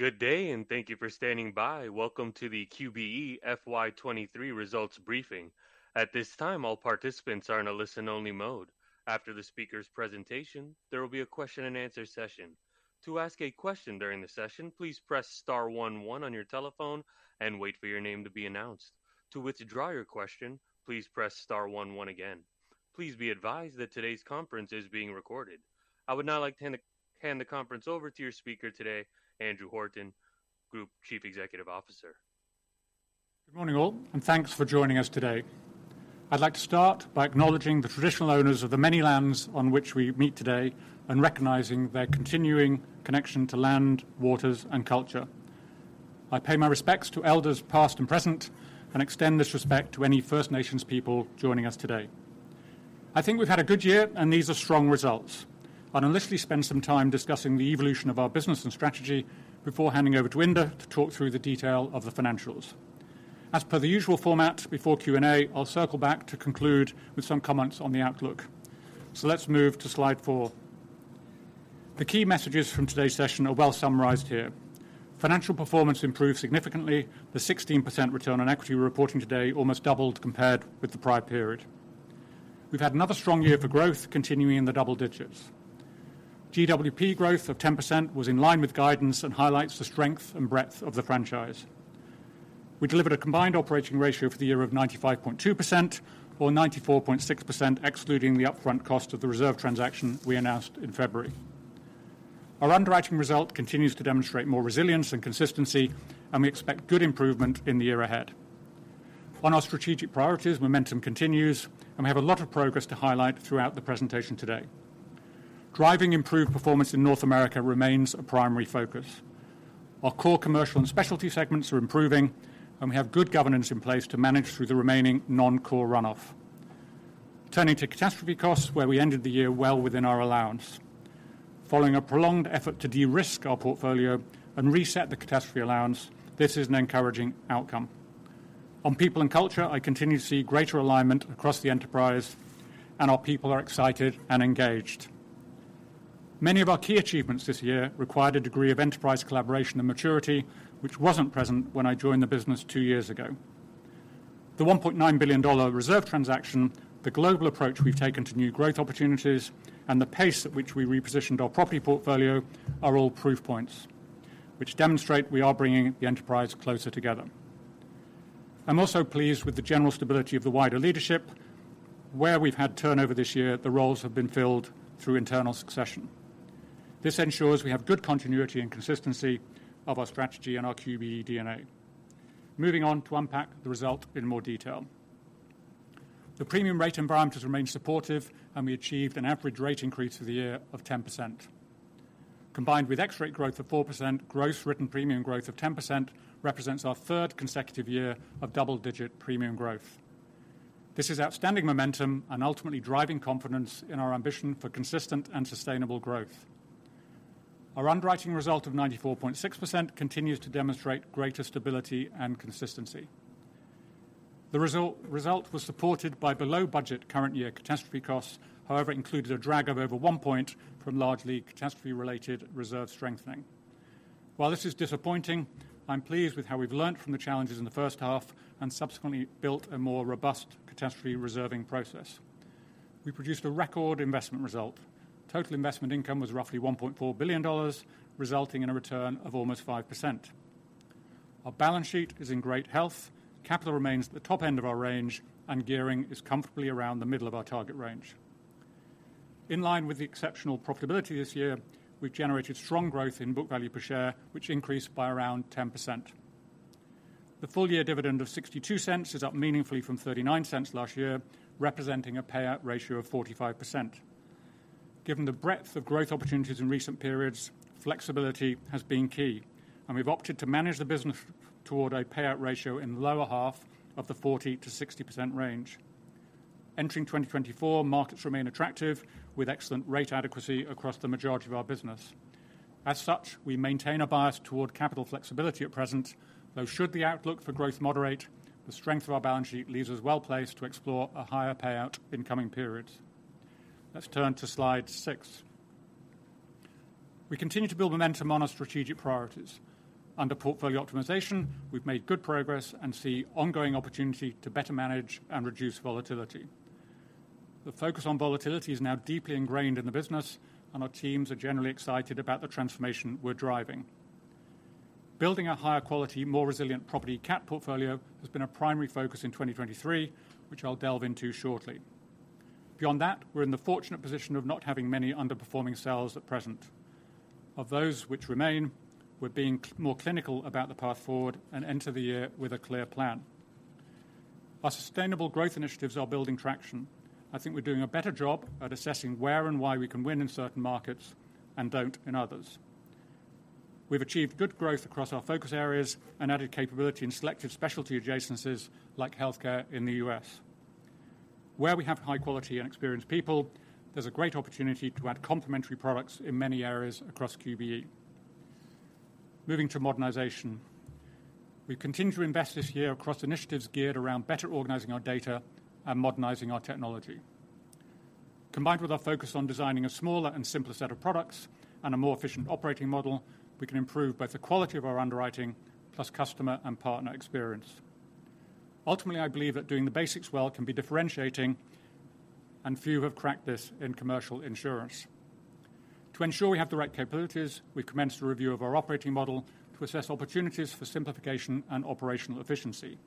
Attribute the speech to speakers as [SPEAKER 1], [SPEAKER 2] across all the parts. [SPEAKER 1] Good day, and thank you for standing by. Welcome to the QBE FY 2023 results briefing. At this time, all participants are in a listen-only mode. After the speaker's presentation, there will be a question and answer session. To ask a question during the session, please press star one one on your telephone and wait for your name to be announced. To withdraw your question, please press star one one again. Please be advised that today's conference is being recorded. I would now like to hand the conference over to your speaker today, Andrew Horton, Group Chief Executive Officer.
[SPEAKER 2] Good morning, all, and thanks for joining us today. I'd like to start by acknowledging the traditional owners of the many lands on which we meet today and recognizing their continuing connection to land, waters, and culture. I pay my respects to elders, past and present, and extend this respect to any First Nations people joining us today. I think we've had a good year, and these are strong results. I'll initially spend some time discussing the evolution of our business and strategy before handing over to Inder to talk through the detail of the financials. As per the usual format, before Q&A, I'll circle back to conclude with some comments on the outlook. Let's move to slide 4. The key messages from today's session are well summarized here. Financial performance improved significantly. The 16% return on equity we're reporting today almost doubled compared with the prior period. We've had another strong year for growth, continuing in the double digits. GWP growth of 10% was in line with guidance and highlights the strength and breadth of the franchise. We delivered a combined operating ratio for the year of 95.2%, or 94.6%, excluding the upfront cost of the reserve transaction we announced in February. Our underwriting result continues to demonstrate more resilience and consistency, and we expect good improvement in the year ahead. On our strategic priorities, momentum continues, and we have a lot of progress to highlight throughout the presentation today. Driving improved performance in North America remains a primary focus. Our core Commercial and Specialty segments are improving, and we have good governance in place to manage through the remaining non-core runoff. Turning to catastrophe costs, where we ended the year well within our allowance. Following a prolonged effort to de-risk our portfolio and reset the catastrophe allowance, this is an encouraging outcome. On people and culture, I continue to see greater alignment across the enterprise, and our people are excited and engaged. Many of our key achievements this year required a degree of enterprise, collaboration, and maturity, which wasn't present when I joined the business two years ago. The $1.9 billion reserve transaction, the global approach we've taken to new growth opportunities, and the pace at which we repositioned our property portfolio are all proof points which demonstrate we are bringing the enterprise closer together. I'm also pleased with the general stability of the wider leadership. Where we've had turnover this year, the roles have been filled through internal succession. This ensures we have good continuity and consistency of our strategy and our QBE DNA. Moving on to unpack the result in more detail. The premium rate environment has remained supportive, and we achieved an average rate increase for the year of 10%. Combined with extra rate growth of 4%, gross written premium growth of 10% represents our third consecutive year of double-digit premium growth. This is outstanding momentum and ultimately driving confidence in our ambition for consistent and sustainable growth. Our underwriting result of 94.6% continues to demonstrate greater stability and consistency. The result was supported by below-budget current-year catastrophe costs, however, included a drag of over one point from largely catastrophe-related reserve strengthening. While this is disappointing, I'm pleased with how we've learned from the challenges in the first half and subsequently built a more robust catastrophe reserving process. We produced a record investment result. Total investment income was roughly $1.4 billion, resulting in a return of almost 5%. Our balance sheet is in great health. Capital remains at the top end of our range, and gearing is comfortably around the middle of our target range. In line with the exceptional profitability this year, we've generated strong growth in book value per share, which increased by around 10%. The full-year dividend of $0.62 is up meaningfully from $0.39 last year, representing a payout ratio of 45%. Given the breadth of growth opportunities in recent periods, flexibility has been key, and we've opted to manage the business toward a payout ratio in the lower half of the 40%-60% range. Entering 2024, markets remain attractive, with excellent rate adequacy across the majority of our business. As such, we maintain a bias toward capital flexibility at present, though should the outlook for growth moderate, the strength of our balance sheet leaves us well placed to explore a higher payout in coming periods. Let's turn to slide six. We continue to build momentum on our strategic priorities. Under portfolio optimization, we've made good progress and see ongoing opportunity to better manage and reduce volatility. The focus on volatility is now deeply ingrained in the business, and our teams are generally excited about the transformation we're driving. Building a higher quality, more resilient property cat portfolio has been a primary focus in 2023, which I'll delve into shortly. Beyond that, we're in the fortunate position of not having many underperforming sales at present. Of those which remain, we're being more clinical about the path forward and enter the year with a clear plan. Our sustainable growth initiatives are building traction. I think we're doing a better job at assessing where and why we can win in certain markets and don't in others. We've achieved good growth across our focus areas and added capability in selective Specialty adjacencies like healthcare in the U.S. Where we have high quality and experienced people, there's a great opportunity to add complementary products in many areas across QBE. Moving to modernization. We continue to invest this year across initiatives geared around better organizing our data and modernizing our technology... Combined with our focus on designing a smaller and simpler set of products and a more efficient operating model, we can improve both the quality of our underwriting, plus customer and partner experience. Ultimately, I believe that doing the basics well can be differentiating, and few have cracked this in Commercial insurance. To ensure we have the right capabilities, we've commenced a review of our operating model to assess opportunities for simplification and operational efficiency.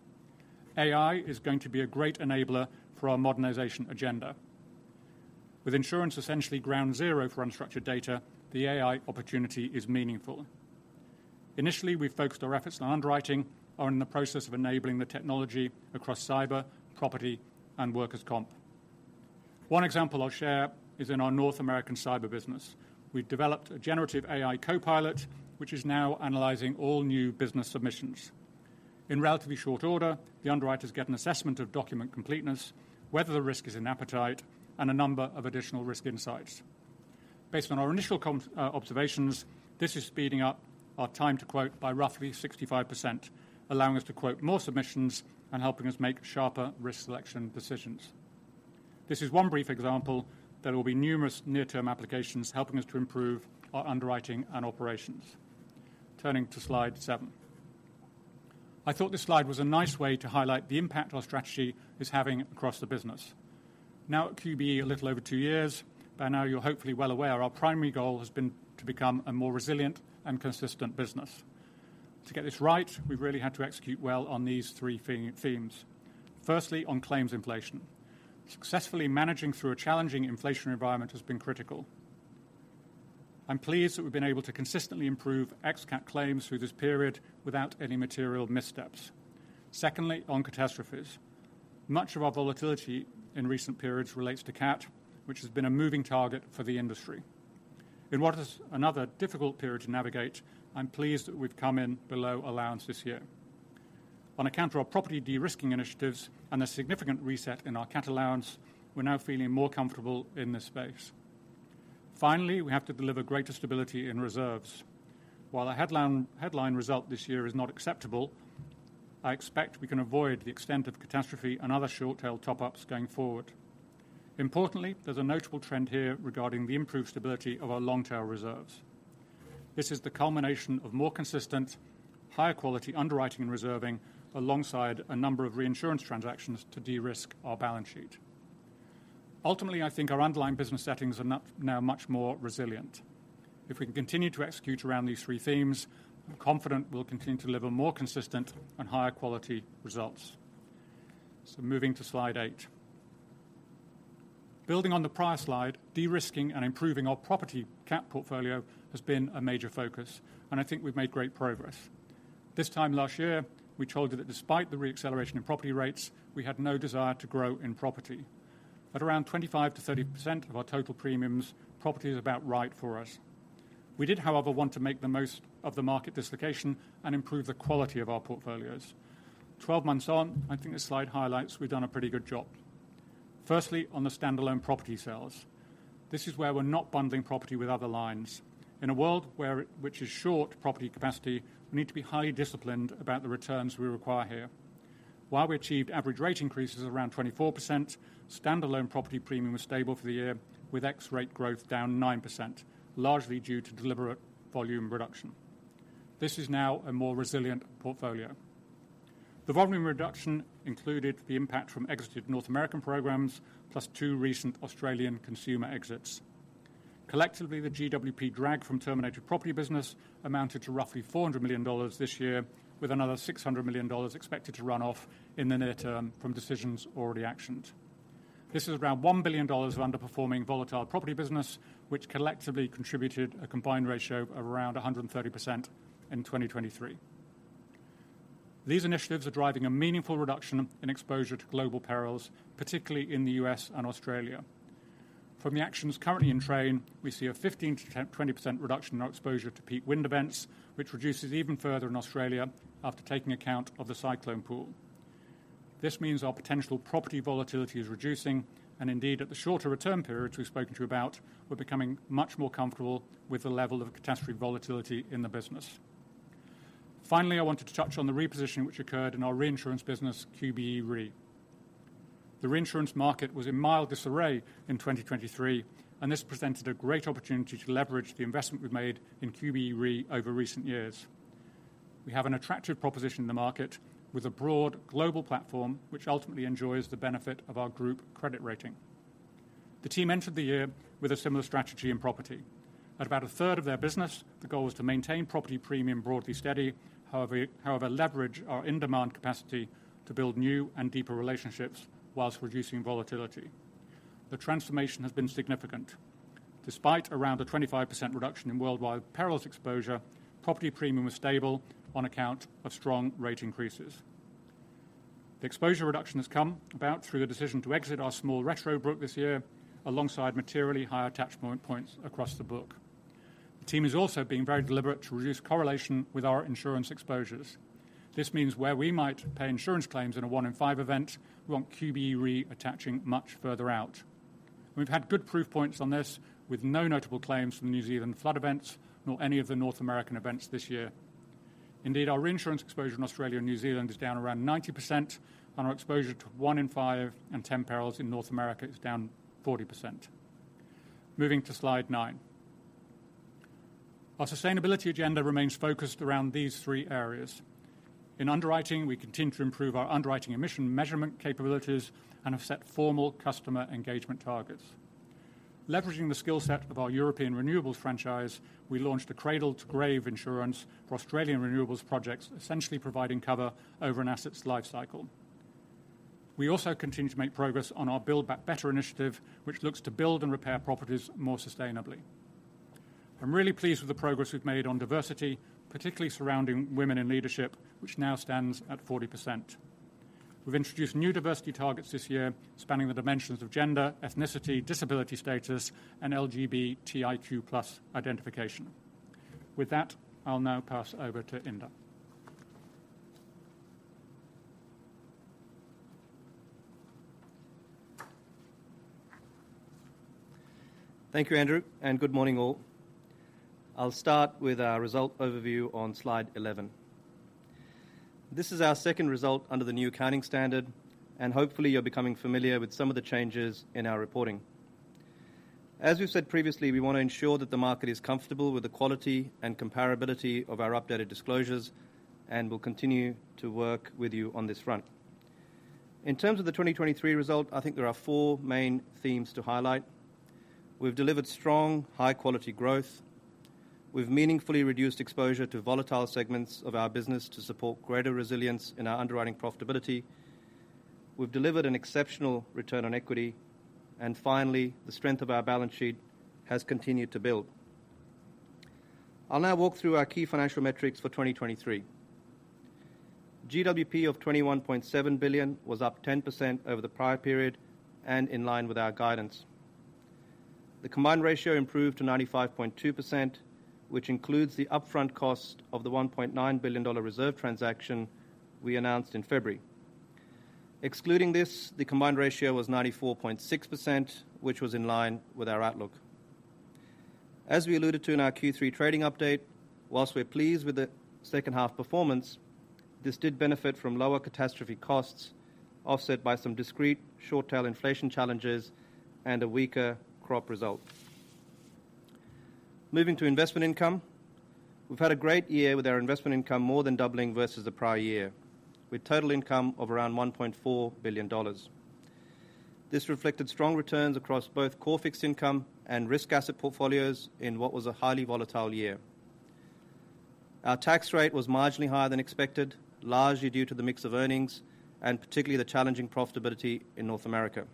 [SPEAKER 2] AI is going to be a great enabler for our modernization agenda. With insurance essentially ground zero for unstructured data, the AI opportunity is meaningful. Initially, we've focused our efforts on underwriting, are in the process of enabling the technology across cyber, property, and workers' comp. One example I'll share is in our North American cyber business. We've developed a generative AI copilot, which is now analyzing all new business submissions. In relatively short order, the underwriters get an assessment of document completeness, whether the risk is in appetite, and a number of additional risk insights. Based on our initial observations, this is speeding up our time to quote by roughly 65%, allowing us to quote more submissions and helping us make sharper risk selection decisions. This is one brief example. There will be numerous near-term applications helping us to improve our underwriting and operations. Turning to slide 7. I thought this slide was a nice way to highlight the impact our strategy is having across the business. Now, at QBE, a little over 2 years, by now you're hopefully well aware our primary goal has been to become a more resilient and consistent business. To get this right, we've really had to execute well on these 3 themes. Firstly, on claims inflation. Successfully managing through a challenging inflation environment has been critical. I'm pleased that we've been able to consistently improve Ex-CAT claims through this period without any material missteps. Secondly, on catastrophes. Much of our volatility in recent periods relates to CAT, which has been a moving target for the industry. In what is another difficult period to navigate, I'm pleased that we've come in below allowance this year. On account of our property de-risking initiatives and a significant reset in our CAT allowance, we're now feeling more comfortable in this space. Finally, we have to deliver greater stability in reserves. While the headline result this year is not acceptable, I expect we can avoid the extent of catastrophe and other short-tail top-ups going forward. Importantly, there's a notable trend here regarding the improved stability of our long-tail reserves. This is the culmination of more consistent, higher quality underwriting and reserving, alongside a number of reinsurance transactions to de-risk our balance sheet. Ultimately, I think our underlying business settings are now much more resilient. If we can continue to execute around these three themes, I'm confident we'll continue to deliver more consistent and higher quality results. So moving to slide 8. Building on the prior slide, de-risking and improving our property CAT portfolio has been a major focus, and I think we've made great progress. This time last year, we told you that despite the re-acceleration in property rates, we had no desire to grow in property. At around 25%-30% of our total premiums, property is about right for us. We did, however, want to make the most of the market dislocation and improve the quality of our portfolios. 12 months on, I think the slide highlights we've done a pretty good job. Firstly, on the standalone property sales. This is where we're not bundling property with other lines. In a world which is short property capacity, we need to be highly disciplined about the returns we require here. While we achieved average rate increases of around 24%, standalone property premium was stable for the year, with FX rate growth down 9%, largely due to deliberate volume reduction. This is now a more resilient portfolio. The volume reduction included the impact from exited North American programs, plus two recent Australian consumer exits. Collectively, the GWP drag from terminated property business amounted to roughly $400 million this year, with another $600 million expected to run off in the near term from decisions already actioned. This is around $1 billion of underperforming volatile property business, which collectively contributed a combined ratio of around 130% in 2023. These initiatives are driving a meaningful reduction in exposure to global perils, particularly in the U.S. and Australia. From the actions currently in train, we see a 15%-20% reduction in our exposure to peak wind events, which reduces even further in Australia after taking account of the cyclone pool. This means our potential property volatility is reducing, and indeed, at the shorter return periods we've spoken to you about, we're becoming much more comfortable with the level of catastrophe volatility in the business. Finally, I wanted to touch on the repositioning which occurred in our reinsurance business, QBE Re. The reinsurance market was in mild disarray in 2023, and this presented a great opportunity to leverage the investment we've made in QBE Re over recent years. We have an attractive proposition in the market with a broad global platform, which ultimately enjoys the benefit of our group credit rating. The team entered the year with a similar strategy in property. At about a third of their business, the goal was to maintain property premium broadly steady, however, leverage our in-demand capacity to build new and deeper relationships while reducing volatility. The transformation has been significant. Despite around a 25% reduction in worldwide perils exposure, property premium was stable on account of strong rate increases. The exposure reduction has come about through the decision to exit our small retro book this year, alongside materially higher attachment points across the book. The team is also being very deliberate to reduce correlation with our insurance exposures. This means where we might pay insurance claims in a 1 in 5 event, we want QBE Re attaching much further out. We've had good proof points on this, with no notable claims from the New Zealand flood events, nor any of the North American events this year. Indeed, our reinsurance exposure in Australia and New Zealand is down around 90%, and our exposure to 1 in 5 and 10 perils in North America is down 40%. Moving to slide 9. Our sustainability agenda remains focused around these 3 areas. In underwriting, we continue to improve our underwriting emission measurement capabilities and have set formal customer engagement targets. Leveraging the skill set of our European renewables franchise, we launched a cradle-to-grave insurance for Australian renewables projects, essentially providing cover over an asset's life cycle. We also continue to make progress on our Build Back Better initiative, which looks to build and repair properties more sustainably. I'm really pleased with the progress we've made on diversity, particularly surrounding women in leadership, which now stands at 40%. We've introduced new diversity targets this year, spanning the dimensions of gender, ethnicity, disability status, and LGBTIQ+ identification. With that, I'll now pass over to Inder.
[SPEAKER 3] Thank you, Andrew, and good morning, all. I'll start with our result overview on slide 11. This is our second result under the new accounting standard, and hopefully, you're becoming familiar with some of the changes in our reporting. As we've said previously, we want to ensure that the market is comfortable with the quality and comparability of our updated disclosures, and we'll continue to work with you on this front. In terms of the 2023 result, I think there are 4 main themes to highlight. We've delivered strong, high-quality growth. We've meaningfully reduced exposure to volatile segments of our business to support greater resilience in our underwriting profitability. We've delivered an exceptional return on equity, and finally, the strength of our balance sheet has continued to build. I'll now walk through our key financial metrics for 2023. GWP of $21.7 billion was up 10% over the prior period and in line with our guidance. The combined ratio improved to 95.2%, which includes the upfront cost of the $1.9 billion reserve transaction we announced in February. Excluding this, the combined ratio was 94.6%, which was in line with our outlook. As we alluded to in our Q3 trading update, while we're pleased with the second half performance, this did benefit from lower catastrophe costs, offset by some discrete short-tail inflation challenges and a weaker Crop result. Moving to investment income. We've had a great year with our investment income more than doubling versus the prior year, with total income of around $1.4 billion. This reflected strong returns across both core fixed income and risk asset portfolios in what was a highly volatile year. Our tax rate was marginally higher than expected, largely due to the mix of earnings and particularly the challenging profitability in North America.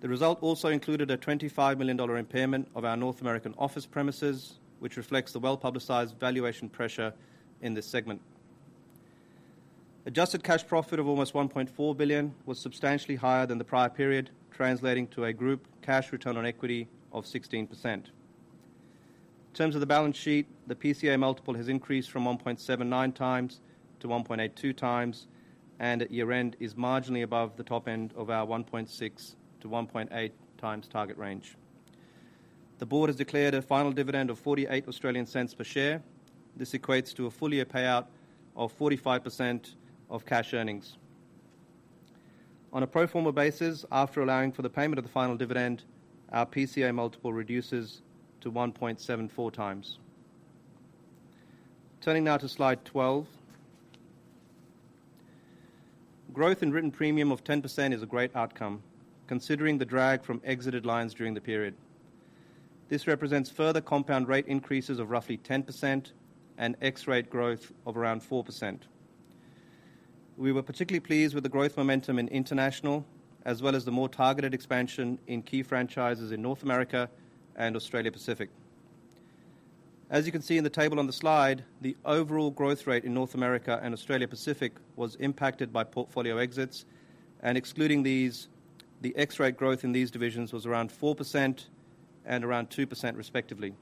[SPEAKER 3] The result also included a $25 million impairment of our North American office premises, which reflects the well-publicized valuation pressure in this segment. Adjusted cash profit of almost $1.4 billion was substantially higher than the prior period, translating to a group cash return on equity of 16%. In terms of the balance sheet, the PCA multiple has increased from 1.79x to 1.82x, and at year-end is marginally above the top end of our 1.6x-1.8x target range. The board has declared a final dividend of $0.48 per share. This equates to a full-year payout of 45% of cash earnings. On a pro forma basis, after allowing for the payment of the final dividend, our PCA multiple reduces to 1.74x. Turning now to Slide 12. Growth in written premium of 10% is a great outcome, considering the drag from exited lines during the period. This represents further compound rate increases of roughly 10% and X-rate growth of around 4%. We were particularly pleased with the growth momentum in International, as well as the more targeted expansion in key franchises in North America and Australia Pacific. As you can see in the table on the slide, the overall growth rate in North America and Australia Pacific was impacted by portfolio exits, and excluding these, the X-rate growth in these divisions was around 4% and around 2%, respectively.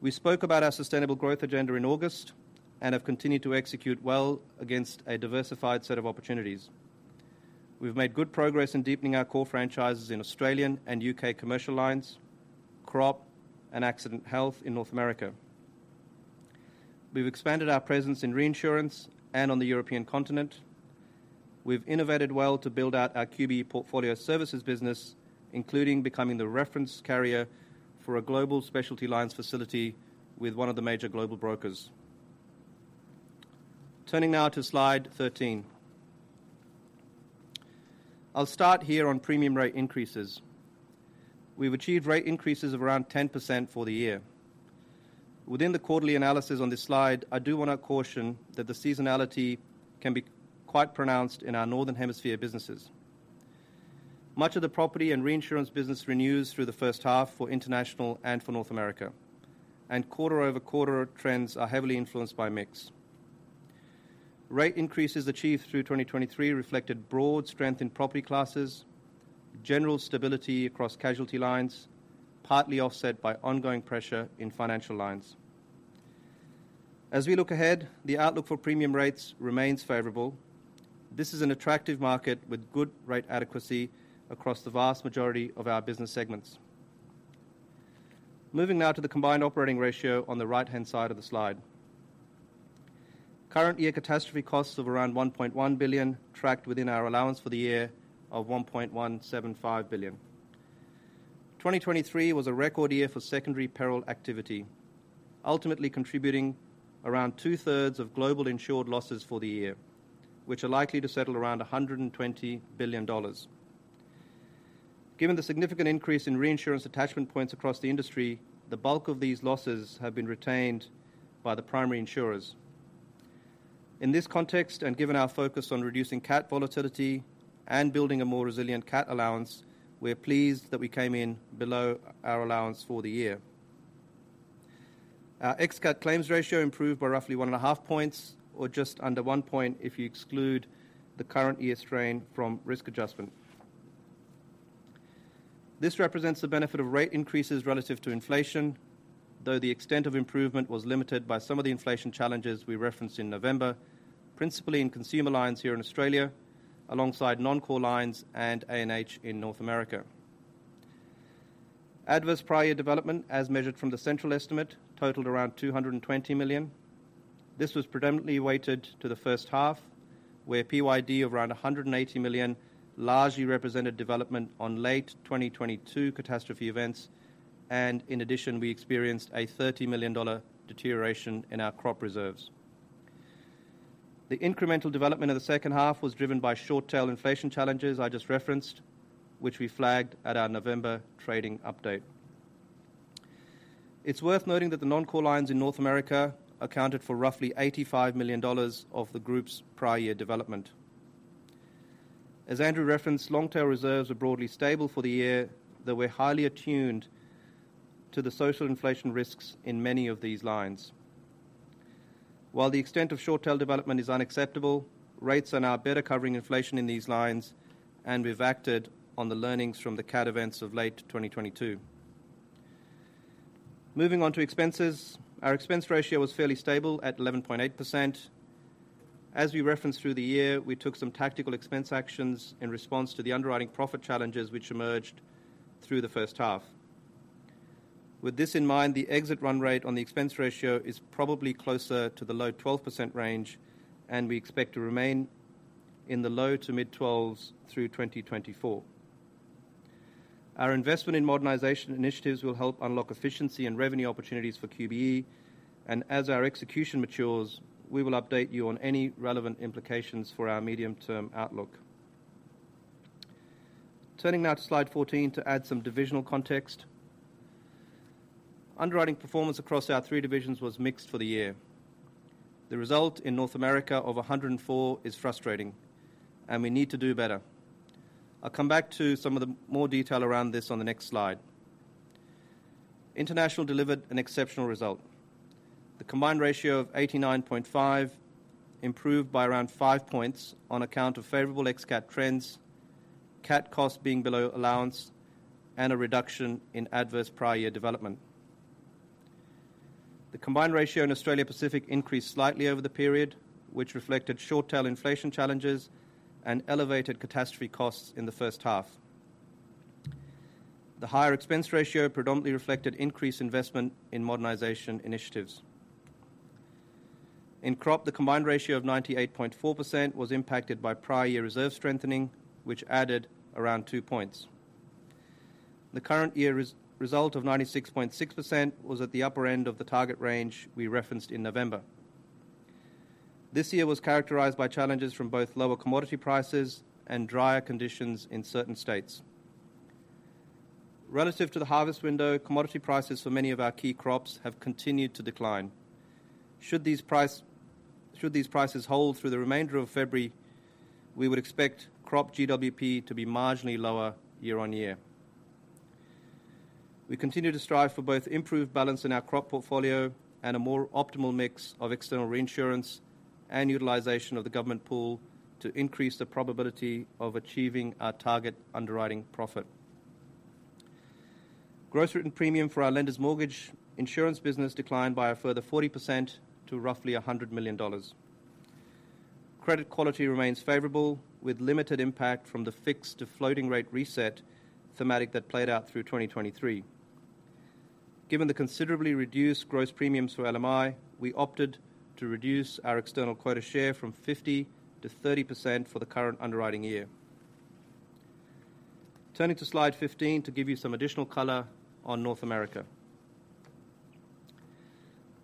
[SPEAKER 3] We spoke about our sustainable growth agenda in August and have continued to execute well against a diversified set of opportunities. We've made good progress in deepening our core franchises in Australian and U.K. Commercial lines, Crop, and Accident Health in North America. We've expanded our presence in reinsurance and on the European continent. We've innovated well to build out our QBE Portfolio Services business, including becoming the reference carrier for a global Specialty lines facility with one of the major global brokers. Turning now to Slide 13. I'll start here on premium rate increases. We've achieved rate increases of around 10% for the year. Within the quarterly analysis on this slide, I do want to caution that the seasonality can be quite pronounced in our Northern Hemisphere businesses. Much of the property and reinsurance business renews through the first half for International and for North America, and quarter-over-quarter trends are heavily influenced by mix. Rate increases achieved through 2023 reflected broad strength in property classes, general stability across casualty lines, partly offset by ongoing pressure in financial lines. As we look ahead, the outlook for premium rates remains favorable.... This is an attractive market with good rate adequacy across the vast majority of our business segments. Moving now to the combined operating ratio on the right-hand side of the slide. Current year catastrophe costs of around $1.1 billion tracked within our allowance for the year of $1.175 billion. 2023 was a record year for secondary peril activity, ultimately contributing around 2/3 of global insured losses for the year, which are likely to settle around $120 billion. Given the significant increase in reinsurance attachment points across the industry, the bulk of these losses have been retained by the primary insurers. In this context, and given our focus on reducing CAT volatility and building a more resilient CAT allowance, we are pleased that we came in below our allowance for the year. Our ex-CAT claims ratio improved by roughly 1.5 points, or just under 1 point if you exclude the current year's strain from risk adjustment. This represents the benefit of rate increases relative to inflation, though the extent of improvement was limited by some of the inflation challenges we referenced in November, principally in consumer lines here in Australia, alongside non-core lines and A&H in North America. Adverse prior year development, as measured from the central estimate, totaled around $220 million. This was predominantly weighted to the first half, where PYD of around $180 million largely represented development on late 2022 catastrophe events, and in addition, we experienced a $30 million deterioration in our Crop reserves. The incremental development of the second half was driven by short-tail inflation challenges I just referenced, which we flagged at our November trading update. It's worth noting that the non-core lines in North America accounted for roughly $85 million of the group's prior year development. As Andrew referenced, long-tail reserves are broadly stable for the year, though we're highly attuned to the social inflation risks in many of these lines. While the extent of short-tail development is unacceptable, rates are now better covering inflation in these lines, and we've acted on the learnings from the cat events of late 2022. Moving on to expenses. Our expense ratio was fairly stable at 11.8%. As we referenced through the year, we took some tactical expense actions in response to the underwriting profit challenges which emerged through the first half. With this in mind, the exit run rate on the expense ratio is probably closer to the low 12% range, and we expect to remain in the low to mid-12s through 2024. Our investment in modernization initiatives will help unlock efficiency and revenue opportunities for QBE, and as our execution matures, we will update you on any relevant implications for our medium-term outlook. Turning now to slide 14 to add some divisional context. Underwriting performance across our three divisions was mixed for the year. The result in North America of 104 is frustrating, and we need to do better. I'll come back to some of the more detail around this on the next slide. International delivered an exceptional result. The combined ratio of 89.5 improved by around 5 points on account of favorable ex-cat trends, cat costs being below allowance, and a reduction in adverse prior year development. The combined ratio in Australia Pacific increased slightly over the period, which reflected short-tail inflation challenges and elevated catastrophe costs in the first half. The higher expense ratio predominantly reflected increased investment in modernization initiatives. In Crop, the combined ratio of 98.4% was impacted by prior year reserve strengthening, which added around 2 points. The current year result of 96.6% was at the upper end of the target range we referenced in November. This year was characterized by challenges from both lower commodity prices and drier conditions in certain states. Relative to the harvest window, commodity prices for many of our key Crops have continued to decline. Should these prices hold through the remainder of February, we would expect Crop GWP to be marginally lower year-on-year. We continue to strive for both improved balance in our Crop portfolio and a more optimal mix of external reinsurance and utilization of the government pool to increase the probability of achieving our target underwriting profit. Gross written premium for our Lenders Mortgage Insurance business declined by a further 40% to roughly $100 million. Credit quality remains favorable, with limited impact from the fixed to floating rate reset thematic that played out through 2023. Given the considerably reduced gross premiums for LMI, we opted to reduce our external quota share from 50% to 30% for the current underwriting year. Turning to slide 15 to give you some additional color on North America.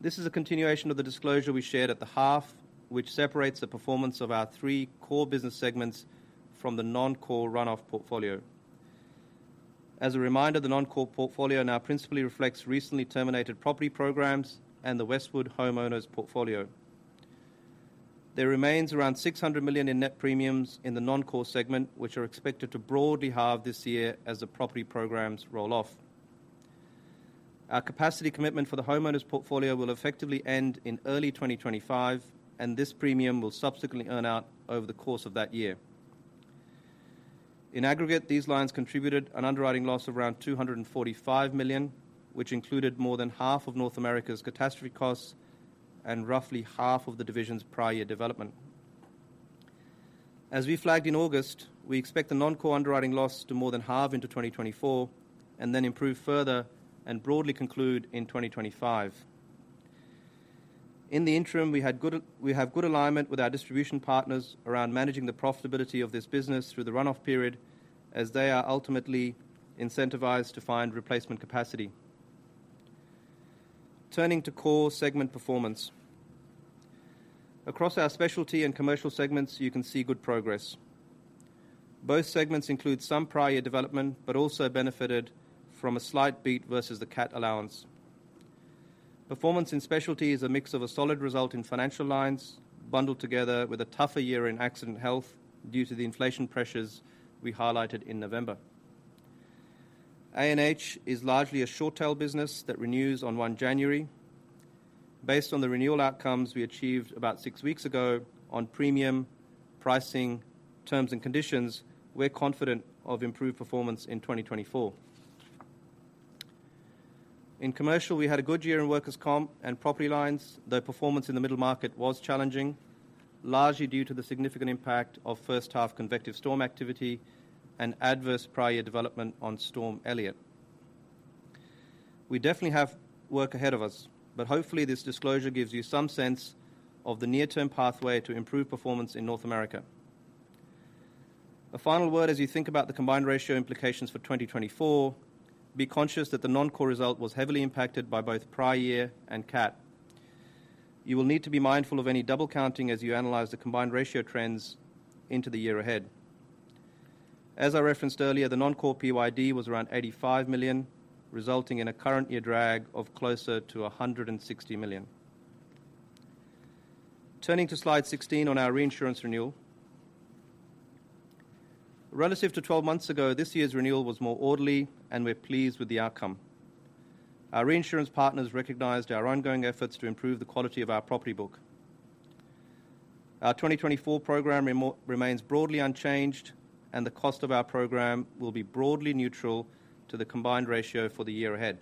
[SPEAKER 3] This is a continuation of the disclosure we shared at the half, which separates the performance of our three core business segments from the non-core run-off portfolio. As a reminder, the non-core portfolio now principally reflects recently terminated property programs and the Westwood homeowners portfolio. There remains around $600 million in net premiums in the non-core segment, which are expected to broadly halve this year as the property programs roll off. Our capacity commitment for the homeowners portfolio will effectively end in early 2025, and this premium will subsequently earn out over the course of that year.... In aggregate, these lines contributed an underwriting loss of around $245 million, which included more than half of North America's catastrophe costs and roughly half of the division's prior year development. As we flagged in August, we expect the non-core underwriting loss to more than halve into 2024, and then improve further and broadly conclude in 2025. In the interim, we have good alignment with our distribution partners around managing the profitability of this business through the run-off period, as they are ultimately incentivized to find replacement capacity. Turning to core segment performance. Across our Specialty and Commercial segments, you can see good progress. Both segments include some prior year development, but also benefited from a slight beat versus the CAT allowance. Performance in Specialty is a mix of a solid result in financial lines, bundled together with a tougher year in accident & health due to the inflation pressures we highlighted in November. A&H is largely a short-tail business that renews on 1 January. Based on the renewal outcomes we achieved about six weeks ago on premium, pricing, terms, and conditions, we're confident of improved performance in 2024. In Commercial, we had a good year in workers' comp and property lines, though performance in the middle market was challenging, largely due to the significant impact of first half convective storm activity and adverse prior year development on Storm Elliott. We definitely have work ahead of us, but hopefully, this disclosure gives you some sense of the near-term pathway to improve performance in North America. A final word as you think about the combined ratio implications for 2024, be conscious that the non-core result was heavily impacted by both prior year and CAT. You will need to be mindful of any double counting as you analyze the combined ratio trends into the year ahead. As I referenced earlier, the non-core PYD was around $85 million, resulting in a current year drag of closer to $160 million. Turning to slide 16 on our reinsurance renewal. Relative to 12 months ago, this year's renewal was more orderly, and we're pleased with the outcome. Our reinsurance partners recognized our ongoing efforts to improve the quality of our property book. Our 2024 program remains broadly unchanged, and the cost of our program will be broadly neutral to the combined ratio for the year ahead.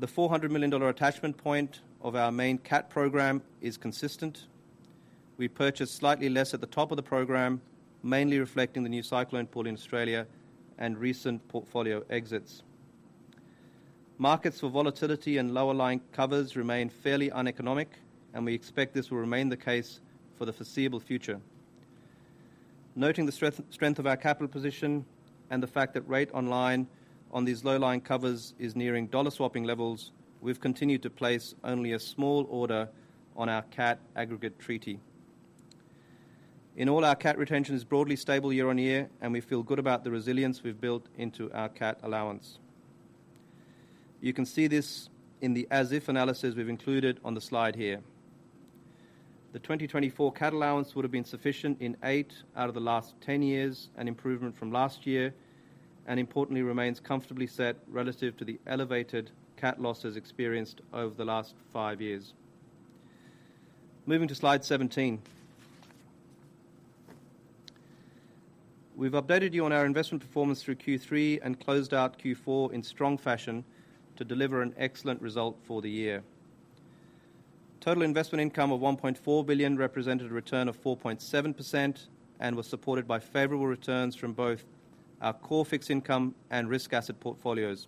[SPEAKER 3] The $400 million dollar attachment point of our main CAT program is consistent. We purchased slightly less at the top of the program, mainly reflecting the new cyclone pool in Australia and recent portfolio exits. Markets for volatility and lower lying covers remain fairly uneconomic, and we expect this will remain the case for the foreseeable future. Noting the strength of our capital position and the fact that rate online on these low-lying covers is nearing dollar swapping levels, we've continued to place only a small order on our CAT aggregate treaty. In all, our CAT retention is broadly stable year-on-year, and we feel good about the resilience we've built into our CAT allowance. You can see this in the as-if analysis we've included on the slide here. The 2024 CAT allowance would have been sufficient in eight out of the last 10 years, an improvement from last year, and importantly, remains comfortably set relative to the elevated CAT losses experienced over the last five years. Moving to Slide 17. We've updated you on our investment performance through Q3 and closed out Q4 in strong fashion to deliver an excellent result for the year. Total investment income of $1.4 billion represented a return of 4.7% and was supported by favorable returns from both our core fixed income and risk asset portfolios.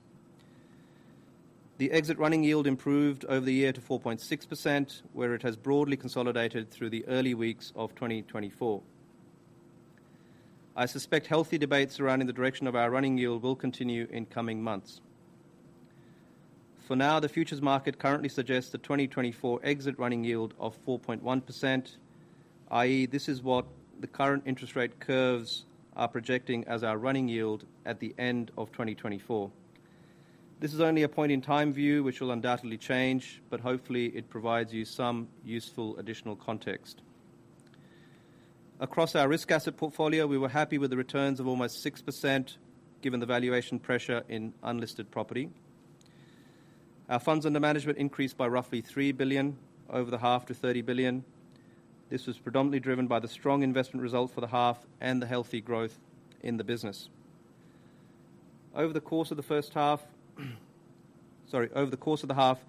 [SPEAKER 3] The exit running yield improved over the year to 4.6%, where it has broadly consolidated through the early weeks of 2024. I suspect healthy debates surrounding the direction of our running yield will continue in coming months. For now, the futures market currently suggests the 2024 exit running yield of 4.1%, i.e., this is what the current interest rate curves are projecting as our running yield at the end of 2024. This is only a point in time view, which will undoubtedly change, but hopefully it provides you some useful additional context. Across our risk asset portfolio, we were happy with the returns of almost 6%, given the valuation pressure in unlisted property. Our funds under management increased by roughly $3 billion over the half to $30 billion. This was predominantly driven by the strong investment result for the half and the healthy growth in the business. Over the course of the first half, sorry, over the course of the half,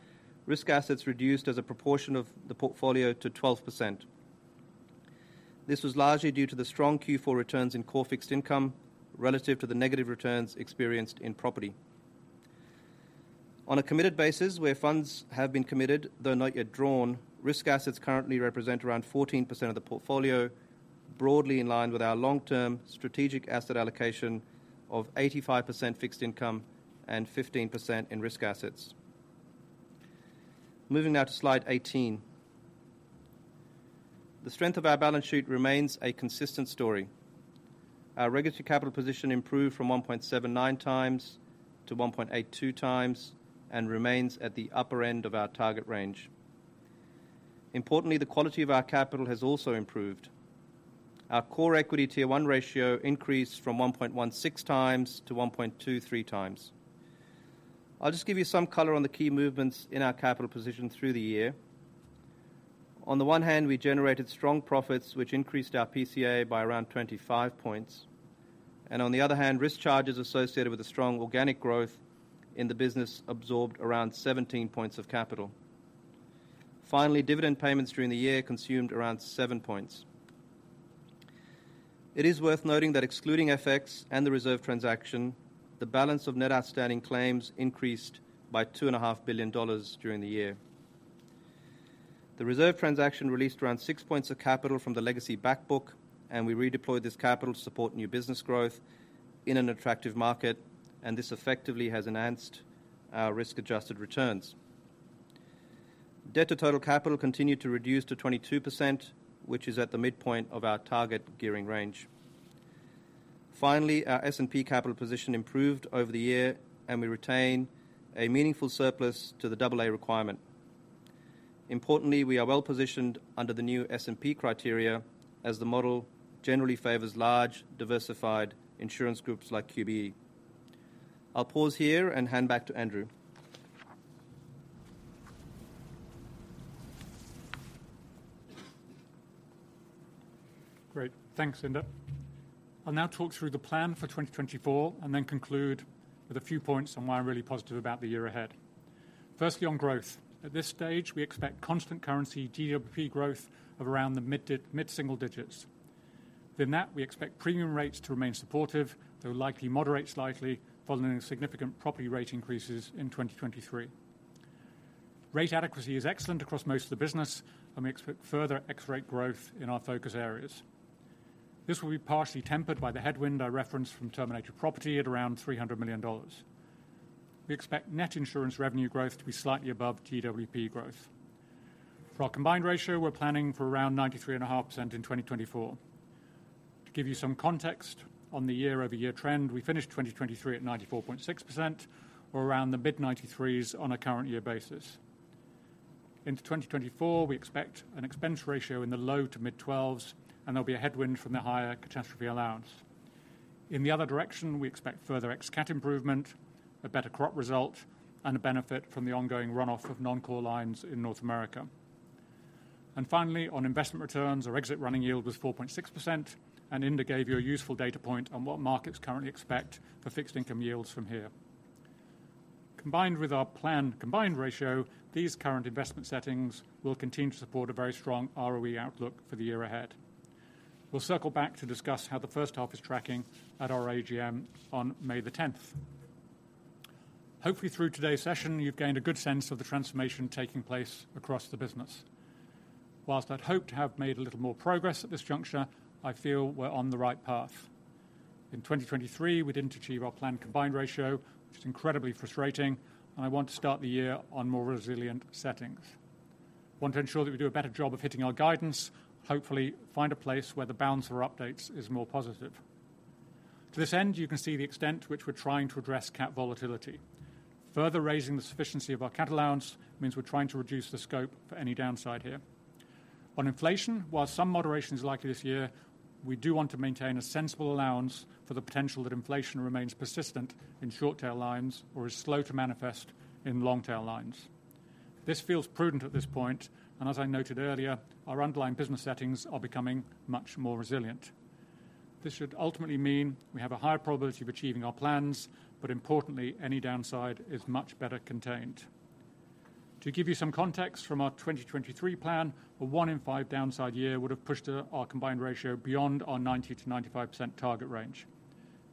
[SPEAKER 3] risk assets reduced as a proportion of the portfolio to 12%. This was largely due to the strong Q4 returns in core fixed income relative to the negative returns experienced in property. On a committed basis, where funds have been committed, though not yet drawn, risk assets currently represent around 14% of the portfolio, broadly in line with our long-term strategic asset allocation of 85% fixed income and 15% in risk assets. Moving now to Slide 18. The strength of our balance sheet remains a consistent story. Our regulatory capital position improved from 1.79 to 1.82x and remains at the upper end of our target range. Importantly, the quality of our capital has also improved. Our core equity Tier 1 ratio increased from 1.16x to 1.2x. I'll just give you some color on the key movements in our capital position through the year. On the one hand, we generated strong profits, which increased our PCA by around 25 points. And on the other hand, risk charges associated with the strong organic growth in the business absorbed around 17 points of capital. Finally, dividend payments during the year consumed around 7 points. It is worth noting that excluding FX and the reserve transaction, the balance of net outstanding claims increased by $2.5 billion during the year. The reserve transaction released around 6 points of capital from the legacy back book, and we redeployed this capital to support new business growth in an attractive market, and this effectively has enhanced our risk-adjusted returns. Debt to total capital continued to reduce to 22%, which is at the midpoint of our target gearing range. Finally, our S&P capital position improved over the year, and we retain a meaningful surplus to the AA requirement. Importantly, we are well positioned under the new S&P criteria as the model generally favors large, diversified insurance groups like QBE. I'll pause here and hand back to Andrew.
[SPEAKER 2] Great. Thanks, Inder. I'll now talk through the plan for 2024 and then conclude with a few points on why I'm really positive about the year ahead. Firstly, on growth. At this stage, we expect constant currency GWP growth of around the mid-single digits. Within that, we expect premium rates to remain supportive, though likely moderate slightly following significant property rate increases in 2023. Rate adequacy is excellent across most of the business, and we expect further X rate growth in our focus areas. This will be partially tempered by the headwind I referenced from terminated property at around $300 million. We expect net insurance revenue growth to be slightly above GWP growth. For our combined ratio, we're planning for around 93.5% in 2024. To give you some context on the year-over-year trend, we finished 2023 at 94.6% or around the mid-90s on a current year basis. Into 2024, we expect an expense ratio in the low-to-mid 12s, and there'll be a headwind from the higher catastrophe allowance. In the other direction, we expect further ex-CAT improvement, a better Crop result, and a benefit from the ongoing run off of non-core lines in North America. And finally, on investment returns, our exit running yield was 4.6%, and Inder gave you a useful data point on what markets currently expect for fixed income yields from here. Combined with our plan combined ratio, these current investment settings will continue to support a very strong ROE outlook for the year ahead. We'll circle back to discuss how the first half is tracking at our AGM on May 10. Hopefully, through today's session, you've gained a good sense of the transformation taking place across the business. Whilst I'd hoped to have made a little more progress at this juncture, I feel we're on the right path. In 2023, we didn't achieve our planned combined ratio, which is incredibly frustrating, and I want to start the year on more resilient settings. Want to ensure that we do a better job of hitting our guidance, hopefully find a place where the bounds for updates is more positive. To this end, you can see the extent to which we're trying to address cat volatility. Further raising the sufficiency of our cat allowance means we're trying to reduce the scope for any downside here. On inflation, while some moderation is likely this year, we do want to maintain a sensible allowance for the potential that inflation remains persistent in short-tail lines or is slow to manifest in long-tail lines. This feels prudent at this point, and as I noted earlier, our underlying business settings are becoming much more resilient. This should ultimately mean we have a higher probability of achieving our plans, but importantly, any downside is much better contained. To give you some context from our 2023 plan, a one in five downside year would have pushed our combined ratio beyond our 90%-95% target range.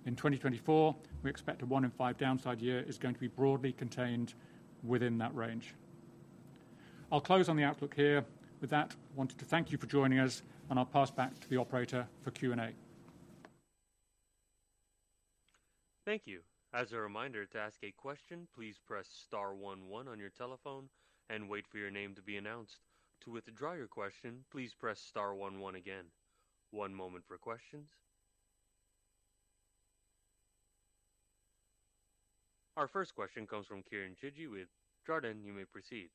[SPEAKER 2] In 2024, we expect a one in five downside year is going to be broadly contained within that range. I'll close on the outlook here. With that, I wanted to thank you for joining us, and I'll pass back to the operator for Q&A.
[SPEAKER 1] Thank you. As a reminder to ask a question, please press star one one on your telephone and wait for your name to be announced. To withdraw your question, please press star one one again. One moment for questions. Our first question comes from Kieren Chidgey with Jarden. You may proceed.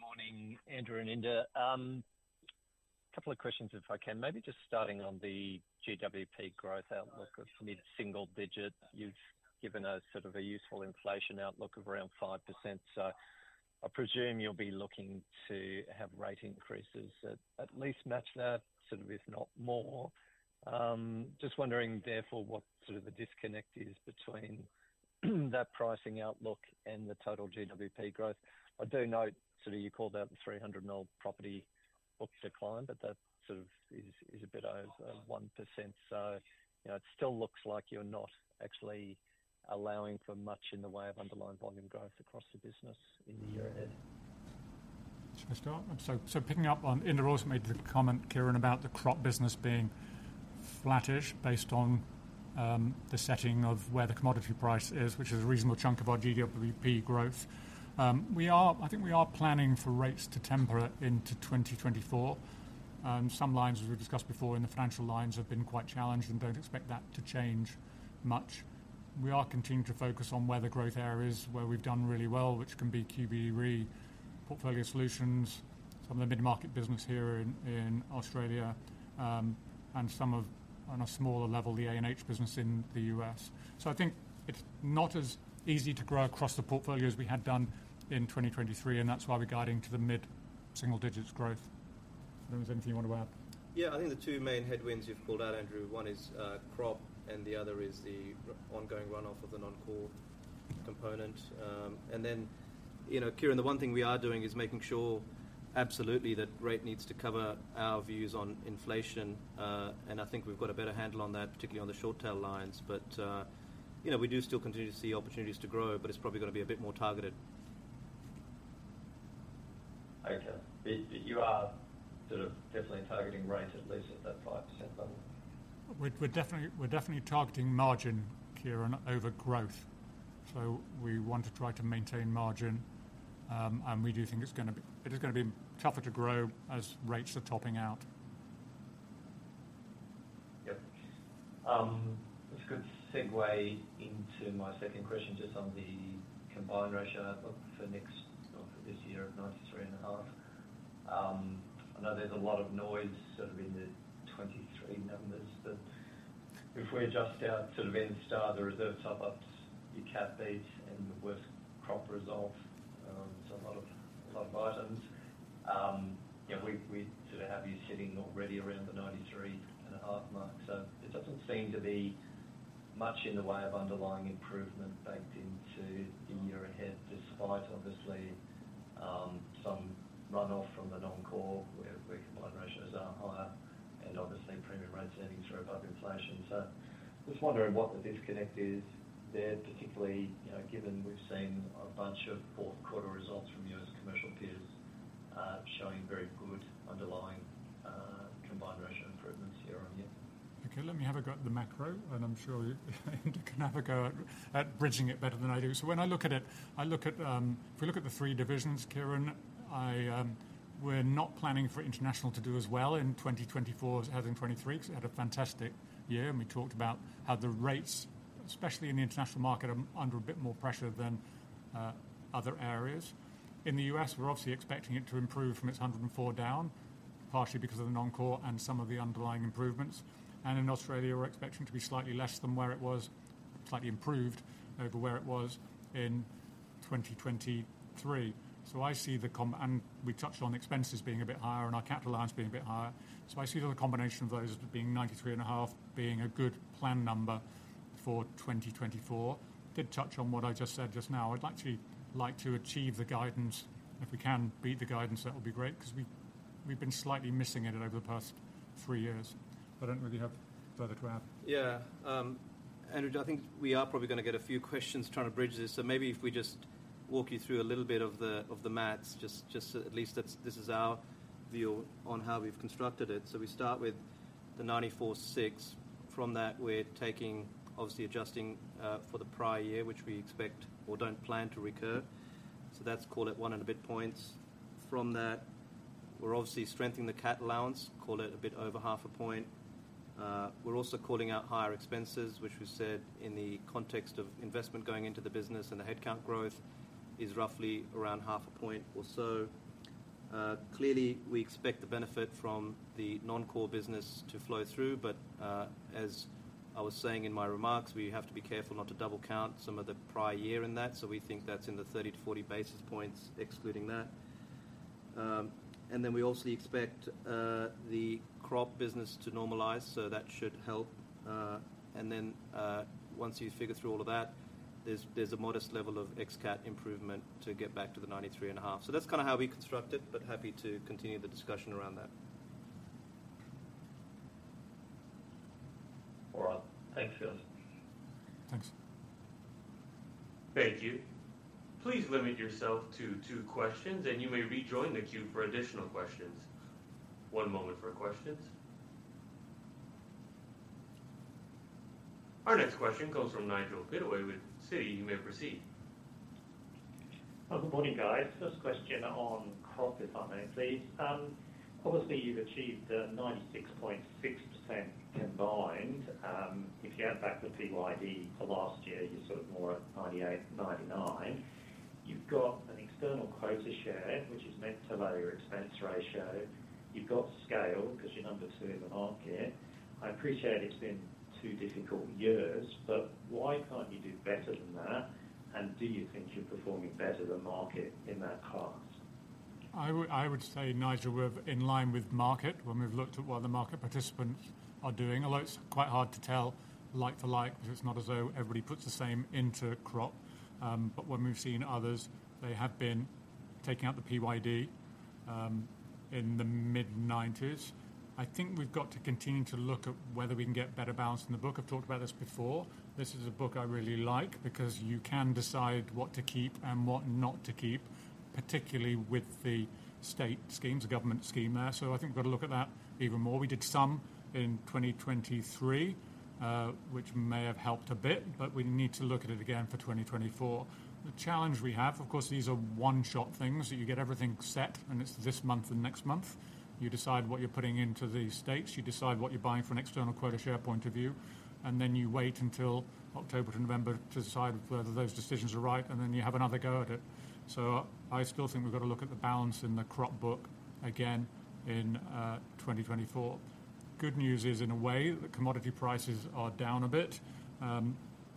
[SPEAKER 4] Morning, Andrew and Inder. A couple of questions, if I can. Maybe just starting on the GWP growth outlook of mid-single digit. You've given a sort of a useful inflation outlook of around 5%, so I presume you'll be looking to have rate increases that at least match that, sort of, if not more. Just wondering, therefore, what sort of the disconnect is between that pricing outlook and the total GWP growth? I do note, sort of, you called out the $300 million property book decline, but that sort of is a bit over 1%. So, you know, it still looks like you're not actually allowing for much in the way of underlying volume growth across the business in the year ahead.
[SPEAKER 2] Should I start? So picking up on... Inder also made the comment, Kieren, about the Crop business being flattish, based on the setting of where the commodity price is, which is a reasonable chunk of our GWP growth. I think we are planning for rates to temper into 2024. Some lines, as we've discussed before in the financial lines, have been quite challenged and don't expect that to change much. We are continuing to focus on where the growth areas, where we've done really well, which can be QBE Re, Portfolio Solutions... Some of the mid-market business here in Australia, and some of, on a smaller level, the A&H business in the U.S. So I think it's not as easy to grow across the portfolio as we had done in 2023, and that's why we're guiding to the mid-single digits growth. If there's anything you want to add?
[SPEAKER 3] Yeah, I think the two main headwinds you've called out, Andrew, one is Crop, and the other is the ongoing runoff of the non-core component. And then, you know, Kieren, the one thing we are doing is making sure absolutely that rate needs to cover our views on inflation, and I think we've got a better handle on that, particularly on the short tail lines. But, you know, we do still continue to see opportunities to grow, but it's probably gonna be a bit more targeted.
[SPEAKER 4] Okay. But, but you are sort of definitely targeting rates at least at that 5% level?
[SPEAKER 2] We're definitely targeting margin, Kieren, over growth. So we want to try to maintain margin. And we do think it's gonna be. It is gonna be tougher to grow as rates are topping out.
[SPEAKER 4] Yep. That's a good segue into my second question, just on the combined ratio of, for next, for this year, 93.5%. I know there's a lot of noise sort of in the 2023 numbers, but if we adjust out sort of Enstar, the reserve top-ups, UK cats and the worst Crop results, so a lot of, a lot of items. Yeah, we sort of have you sitting already around the 93.5% mark. So it doesn't seem to be much in the way of underlying improvement baked into the year ahead, despite obviously, some runoff from the non-core, where combined ratios are higher and obviously premium rate settings are above inflation. So just wondering what the disconnect is there, particularly, given we've seen a bunch of fourth quarter results from U.S. Commercial peers, showing very good underlying, combined ratio improvements year-over-year?
[SPEAKER 2] Okay, let me have a go at the macro, and I'm sure you can have a go at, at bridging it better than I do. So when I look at it, I look at, If we look at the three divisions, Kieren, I, we're not planning for International to do as well in 2024 as having 2023, 'cause it had a fantastic year, and we talked about how the rates, especially in the International market, are under a bit more pressure than, other areas. In the U.S., we're obviously expecting it to improve from its 104 down, partially because of the non-core and some of the underlying improvements. And in Australia, we're expecting to be slightly less than where it was, slightly improved over where it was in 2023. So I see the com-- and we touched on expenses being a bit higher and our cat allowance being a bit higher. So I see the combination of those as being 93.5, being a good plan number for 2024. Did touch on what I just said just now. I'd like to, like to achieve the guidance. If we can beat the guidance, that would be great, 'cause we've been slightly missing it over the past three years. I don't really have further to add.
[SPEAKER 3] Yeah. Andrew, I think we are probably gonna get a few questions trying to bridge this. So maybe if we just walk you through a little bit of the math, just so at least that's-- this is our view on how we've constructed it. So we start with the 94.6. From that, we're taking, obviously adjusting, for the prior year, which we expect or don't plan to recur. So that's call it 1 and a bit points. From that, we're obviously strengthening the cat allowance, call it a bit over half a point. We're also calling out higher expenses, which we said in the context of investment going into the business and the headcount growth is roughly around half a point or so. Clearly, we expect the benefit from the non-core business to flow through, but as I was saying in my remarks, we have to be careful not to double count some of the prior year in that. So we think that's in the 30-40 basis points, excluding that. And then we also expect the Crop business to normalize, so that should help. And then, once you figure through all of that, there's a modest level of ex-cat improvement to get back to the 93.5. So that's kinda how we construct it, but happy to continue the discussion around that.
[SPEAKER 4] All right. Thanks, Inder.
[SPEAKER 3] Thanks.
[SPEAKER 1] Thank you. Please limit yourself to two questions, and you may rejoin the queue for additional questions. One moment for questions. Our next question comes from Nigel Pittaway with Citi. You may proceed.
[SPEAKER 5] Good morning, guys. First question on Crop, if I may, please. Obviously you've achieved a 96.6% combined. If you add back the PYD for last year, you're sort of more at 98%-99%. You've got an external quota share, which is meant to lower your expense ratio. You've got scale, because you're number 2 in the market. I appreciate it's been two difficult years, but why can't you do better than that? And do you think you're performing better than market in that class? I would, I would say, Nigel, we're in line with market when we've looked at what the market participants are doing, although it's quite hard to tell like for like, because it's not as though everybody puts the same into Crop. But when we've seen others, they have been taking out the PYD in the mid-nineties. I think we've got to continue to look at whether we can get better balance in the book. I've talked about this before. This is a book I really like, because you can decide what to keep and what not to keep, particularly with the state schemes, the government scheme there. So I think we've got to look at that even more. We did some in 2023, which may have helped a bit, but we need to look at it again for 2024. The challenge we have, of course, these are one-shot things, so you get everything set, and it's this month and next month. You decide what you're putting into the stakes, you decide what you're buying from an external quota share point of view, and then you wait until October to November to decide whether those decisions are right, and then you have another go at it. So I still think we've got to look at the balance in the Crop book again in 2024. Good news is, in a way, the commodity prices are down a bit,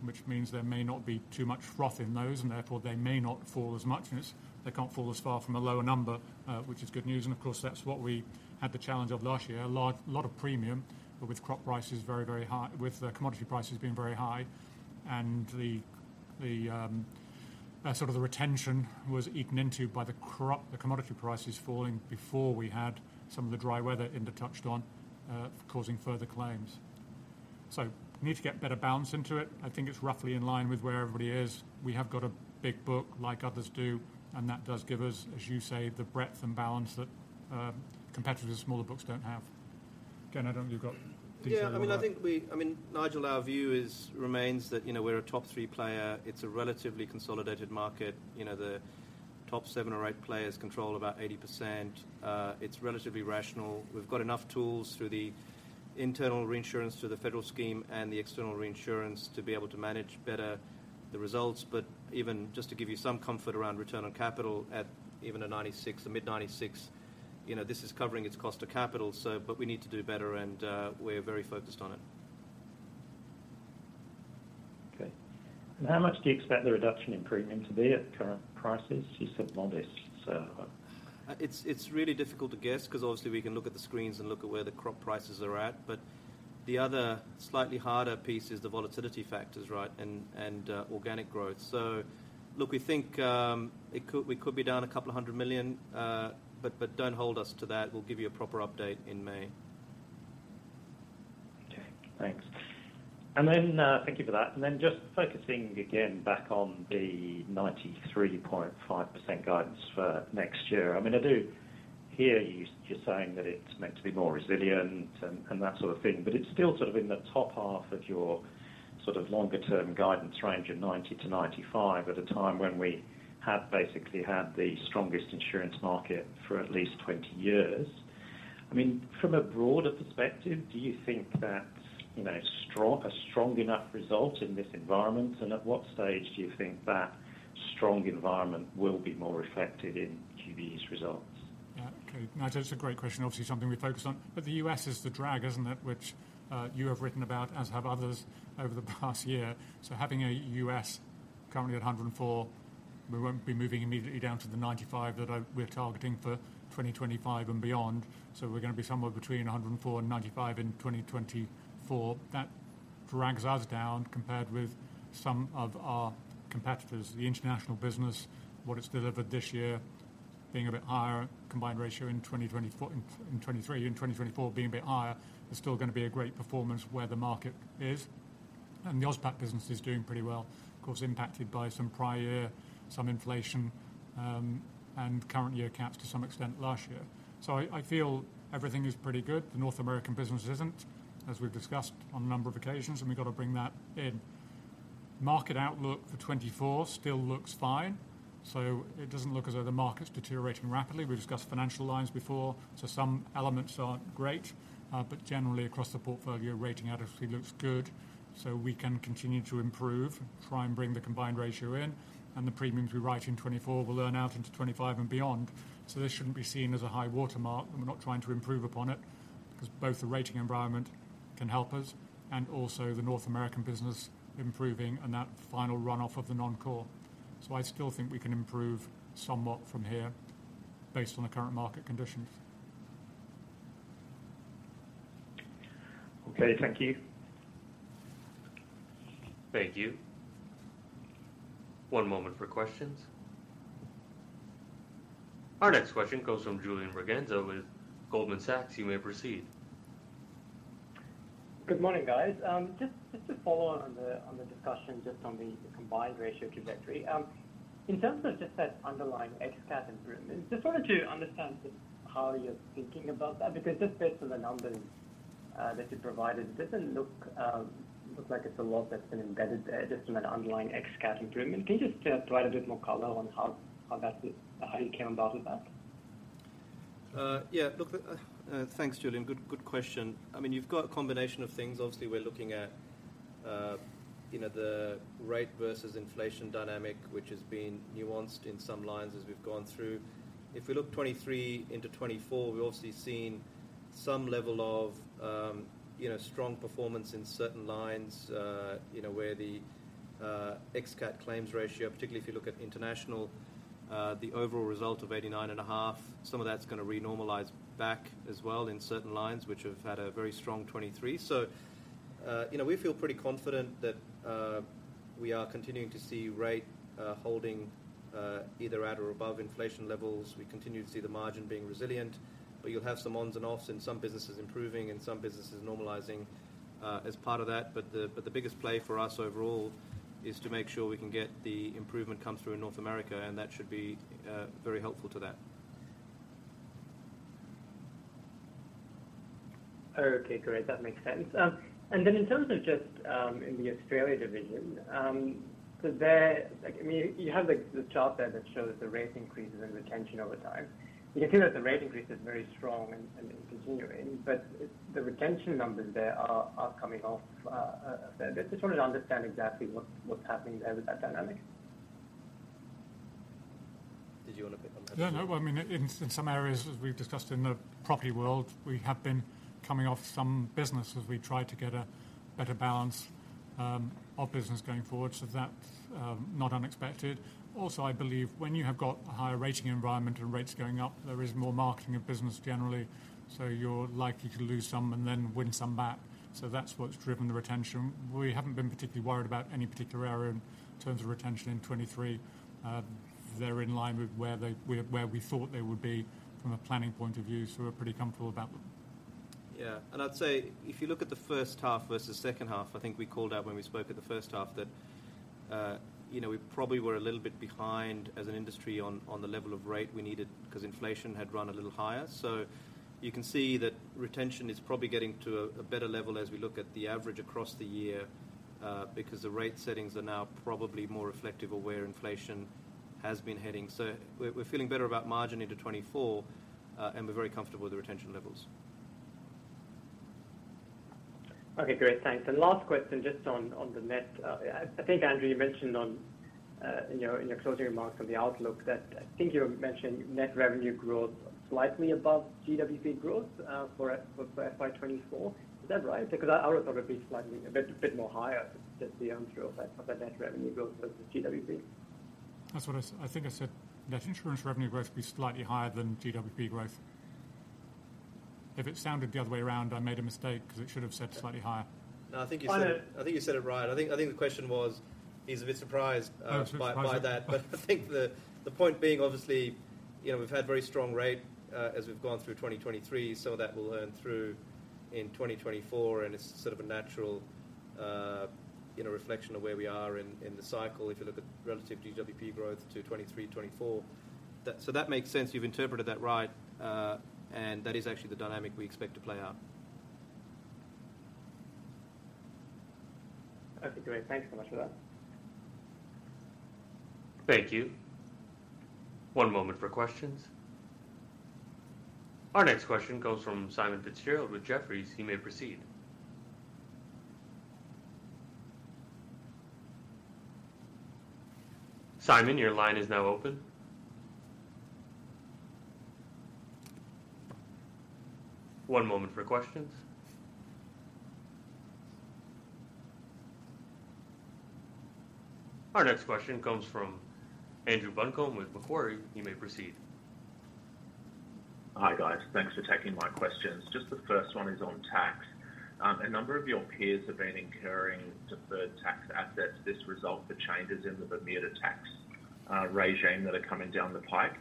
[SPEAKER 5] which means there may not be too much froth in those, and therefore, they may not fall as much, and it's they can't fall as far from a lower number, which is good news. And of course, that's what we had the challenge of last year. A lot, lot of premium, but with Crop prices very, very high, with the commodity prices being very high and the, the, sort of the retention was eaten into by the Crop, the commodity prices falling before we had some of the dry weather Inder touched on, causing further claims. So we need to get better balance into it. I think it's roughly in line with where everybody is. We have got a big book, like others do, and that does give us, as you say, the breadth and balance that, competitors with smaller books don't have. Again, I don't think you've got details on that.
[SPEAKER 3] Yeah, I mean, I think we—I mean, Nigel, our view is, remains that, you know, we're a top three player. It's a relatively consolidated market. You know, the top seven or eight players control about 80%. It's relatively rational. We've got enough tools through the internal reinsurance, through the federal scheme and the external reinsurance to be able to manage better the results. But even just to give you some comfort around return on capital at even a 96, a mid-96, you know, this is covering its cost to capital, so but we need to do better, and, we're very focused on it.
[SPEAKER 5] Okay. How much do you expect the reduction in premium to be at current prices? You said modest, so...
[SPEAKER 3] It's really difficult to guess, 'cause obviously we can look at the screens and look at where the Crop prices are at, but the other slightly harder piece is the volatility factors, right? And organic growth. So look, we think we could be down $200 million, but don't hold us to that. We'll give you a proper update in May.
[SPEAKER 5] Okay, thanks. And then thank you for that. And then just focusing again back on the 93.5% guidance for next year. I mean, I do hear you just saying that it's meant to be more resilient and, and that sort of thing, but it's still sort of in the top half of your sort of longer term guidance range of 90%-95%, at a time when we have basically had the strongest insurance market for at least 20 years. I mean, from a broader perspective, do you think that's, you know, strong, a strong enough result in this environment? And at what stage do you think that strong environment will be more reflected in QBE's results?
[SPEAKER 2] Yeah. Okay, Nigel, it's a great question, obviously something we focus on, but the U.S. is the drag, isn't it? Which, you have written about, as have others over the past year. So having a U.S. currently at 104%, we won't be moving immediately down to the 95% that I- we're targeting for 2025 and beyond. So we're going to be somewhere between 104% and 95% in 2024. That drags us down compared with some of our competitors. The International business, what it's delivered this year being a bit higher, combined ratio in 2024, in 2023, in 2024 being a bit higher, is still going to be a great performance where the market is. And the AusPac business is doing pretty well, of course, impacted by some prior, some inflation, and current year caps to some extent last year. So I feel everything is pretty good. The North American business isn't, as we've discussed on a number of occasions, and we've got to bring that in. Market outlook for 2024 still looks fine, so it doesn't look as though the market's deteriorating rapidly. We've discussed financial lines before, so some elements aren't great, but generally across the portfolio, rating adequacy looks good, so we can continue to improve, try and bring the combined ratio in, and the premiums we write in 2024 will earn out into 2025 and beyond. So this shouldn't be seen as a high watermark, and we're not trying to improve upon it, 'cause both the rating environment can help us and also the North American business improving and that final run off of the non-core. So I still think we can improve somewhat from here, based on the current market conditions.
[SPEAKER 5] Okay, thank you.
[SPEAKER 1] Thank you. One moment for questions. Our next question comes from Julian Braganza with Goldman Sachs. You may proceed.
[SPEAKER 6] Good morning, guys. Just, just to follow on the, on the discussion, just on the combined ratio trajectory. In terms of just that underlying ex-cat improvement, just wanted to understand just how you're thinking about that, because just based on the numbers, that you provided, it doesn't look, look like it's a lot that's been embedded there, just from an underlying ex-cat improvement. Can you just, provide a bit more color on how, how that is, how you came about with that?
[SPEAKER 3] Yeah. Look, thanks, Julian. Good, good question. I mean, you've got a combination of things. Obviously, we're looking at, you know, the rate versus inflation dynamic, which has been nuanced in some lines as we've gone through. If we look 2023 into 2024, we've obviously seen some level of, you know, strong performance in certain lines, you know, where the ex-cat claims ratio, particularly if you look at International, the overall result of 89.5. Some of that's going to renormalize back as well in certain lines, which have had a very strong 2023. So, you know, we feel pretty confident that we are continuing to see rate holding either at or above inflation levels. We continue to see the margin being resilient, but you'll have some ons and offs in some businesses improving and some businesses normalizing, as part of that. But the biggest play for us overall is to make sure we can get the improvement come through in North America, and that should be very helpful to that....
[SPEAKER 6] Oh, okay, great. That makes sense. And then in terms of just in the Australia division, so there, like, I mean, you have, like, the chart there that shows the rate increases and retention over time. You can see that the rate increase is very strong and continuing, but it's the retention numbers there are coming off a bit. Just wanted to understand exactly what's happening there with that dynamic.
[SPEAKER 3] Did you want to pick up on that?
[SPEAKER 2] No, no. I mean, in some areas, as we've discussed in the property world, we have been coming off some business as we try to get a better balance of business going forward, so that's not unexpected. Also, I believe when you have got a higher rating environment and rates going up, there is more marketing of business generally, so you're likely to lose some and then win some back. So that's what's driven the retention. We haven't been particularly worried about any particular area in terms of retention in 2023. They're in line with where we thought they would be from a planning point of view, so we're pretty comfortable about them.
[SPEAKER 3] Yeah. I'd say if you look at the first half versus second half, I think we called out when we spoke at the first half that, you know, we probably were a little bit behind as an industry on the level of rate we needed because inflation had run a little higher. So you can see that retention is probably getting to a better level as we look at the average across the year, because the rate settings are now probably more reflective of where inflation has been heading. So we're feeling better about margin into 2024, and we're very comfortable with the retention levels.
[SPEAKER 6] Okay, great. Thanks. And last question, just on the net. I think, Andrew, you mentioned in your closing remarks on the outlook that I think you mentioned net revenue growth slightly above GWP growth for FY 2024. Is that right? Because I would've thought it'd be slightly a bit more higher, the through of that net revenue growth versus GWP.
[SPEAKER 2] That's what I said. I think I said net insurance revenue growth will be slightly higher than GWP growth. If it sounded the other way around, I made a mistake because it should have said slightly higher.
[SPEAKER 3] No, I think you said it-
[SPEAKER 6] I know.
[SPEAKER 3] I think you said it right. I think the question was, he's a bit surprised.
[SPEAKER 2] No, surprised....
[SPEAKER 3] by that. But I think the point being obviously, you know, we've had very strong rate as we've gone through 2023, some of that will earn through in 2024, and it's sort of a natural, you know, reflection of where we are in the cycle if you look at relative GWP growth to 2023, 2024. That. So that makes sense. You've interpreted that right, and that is actually the dynamic we expect to play out.
[SPEAKER 6] Okay, great. Thanks so much for that.
[SPEAKER 1] Thank you. One moment for questions. Our next question comes from Simon Fitzgerald with Jefferies. He may proceed. Simon, your line is now open. One moment for questions. Our next question comes from Andrew Buncombe with Macquarie. You may proceed.
[SPEAKER 7] Hi, guys. Thanks for taking my questions. Just the first one is on tax. A number of your peers have been incurring deferred tax assets, this result for changes in the Bermuda tax regime that are coming down the pipe.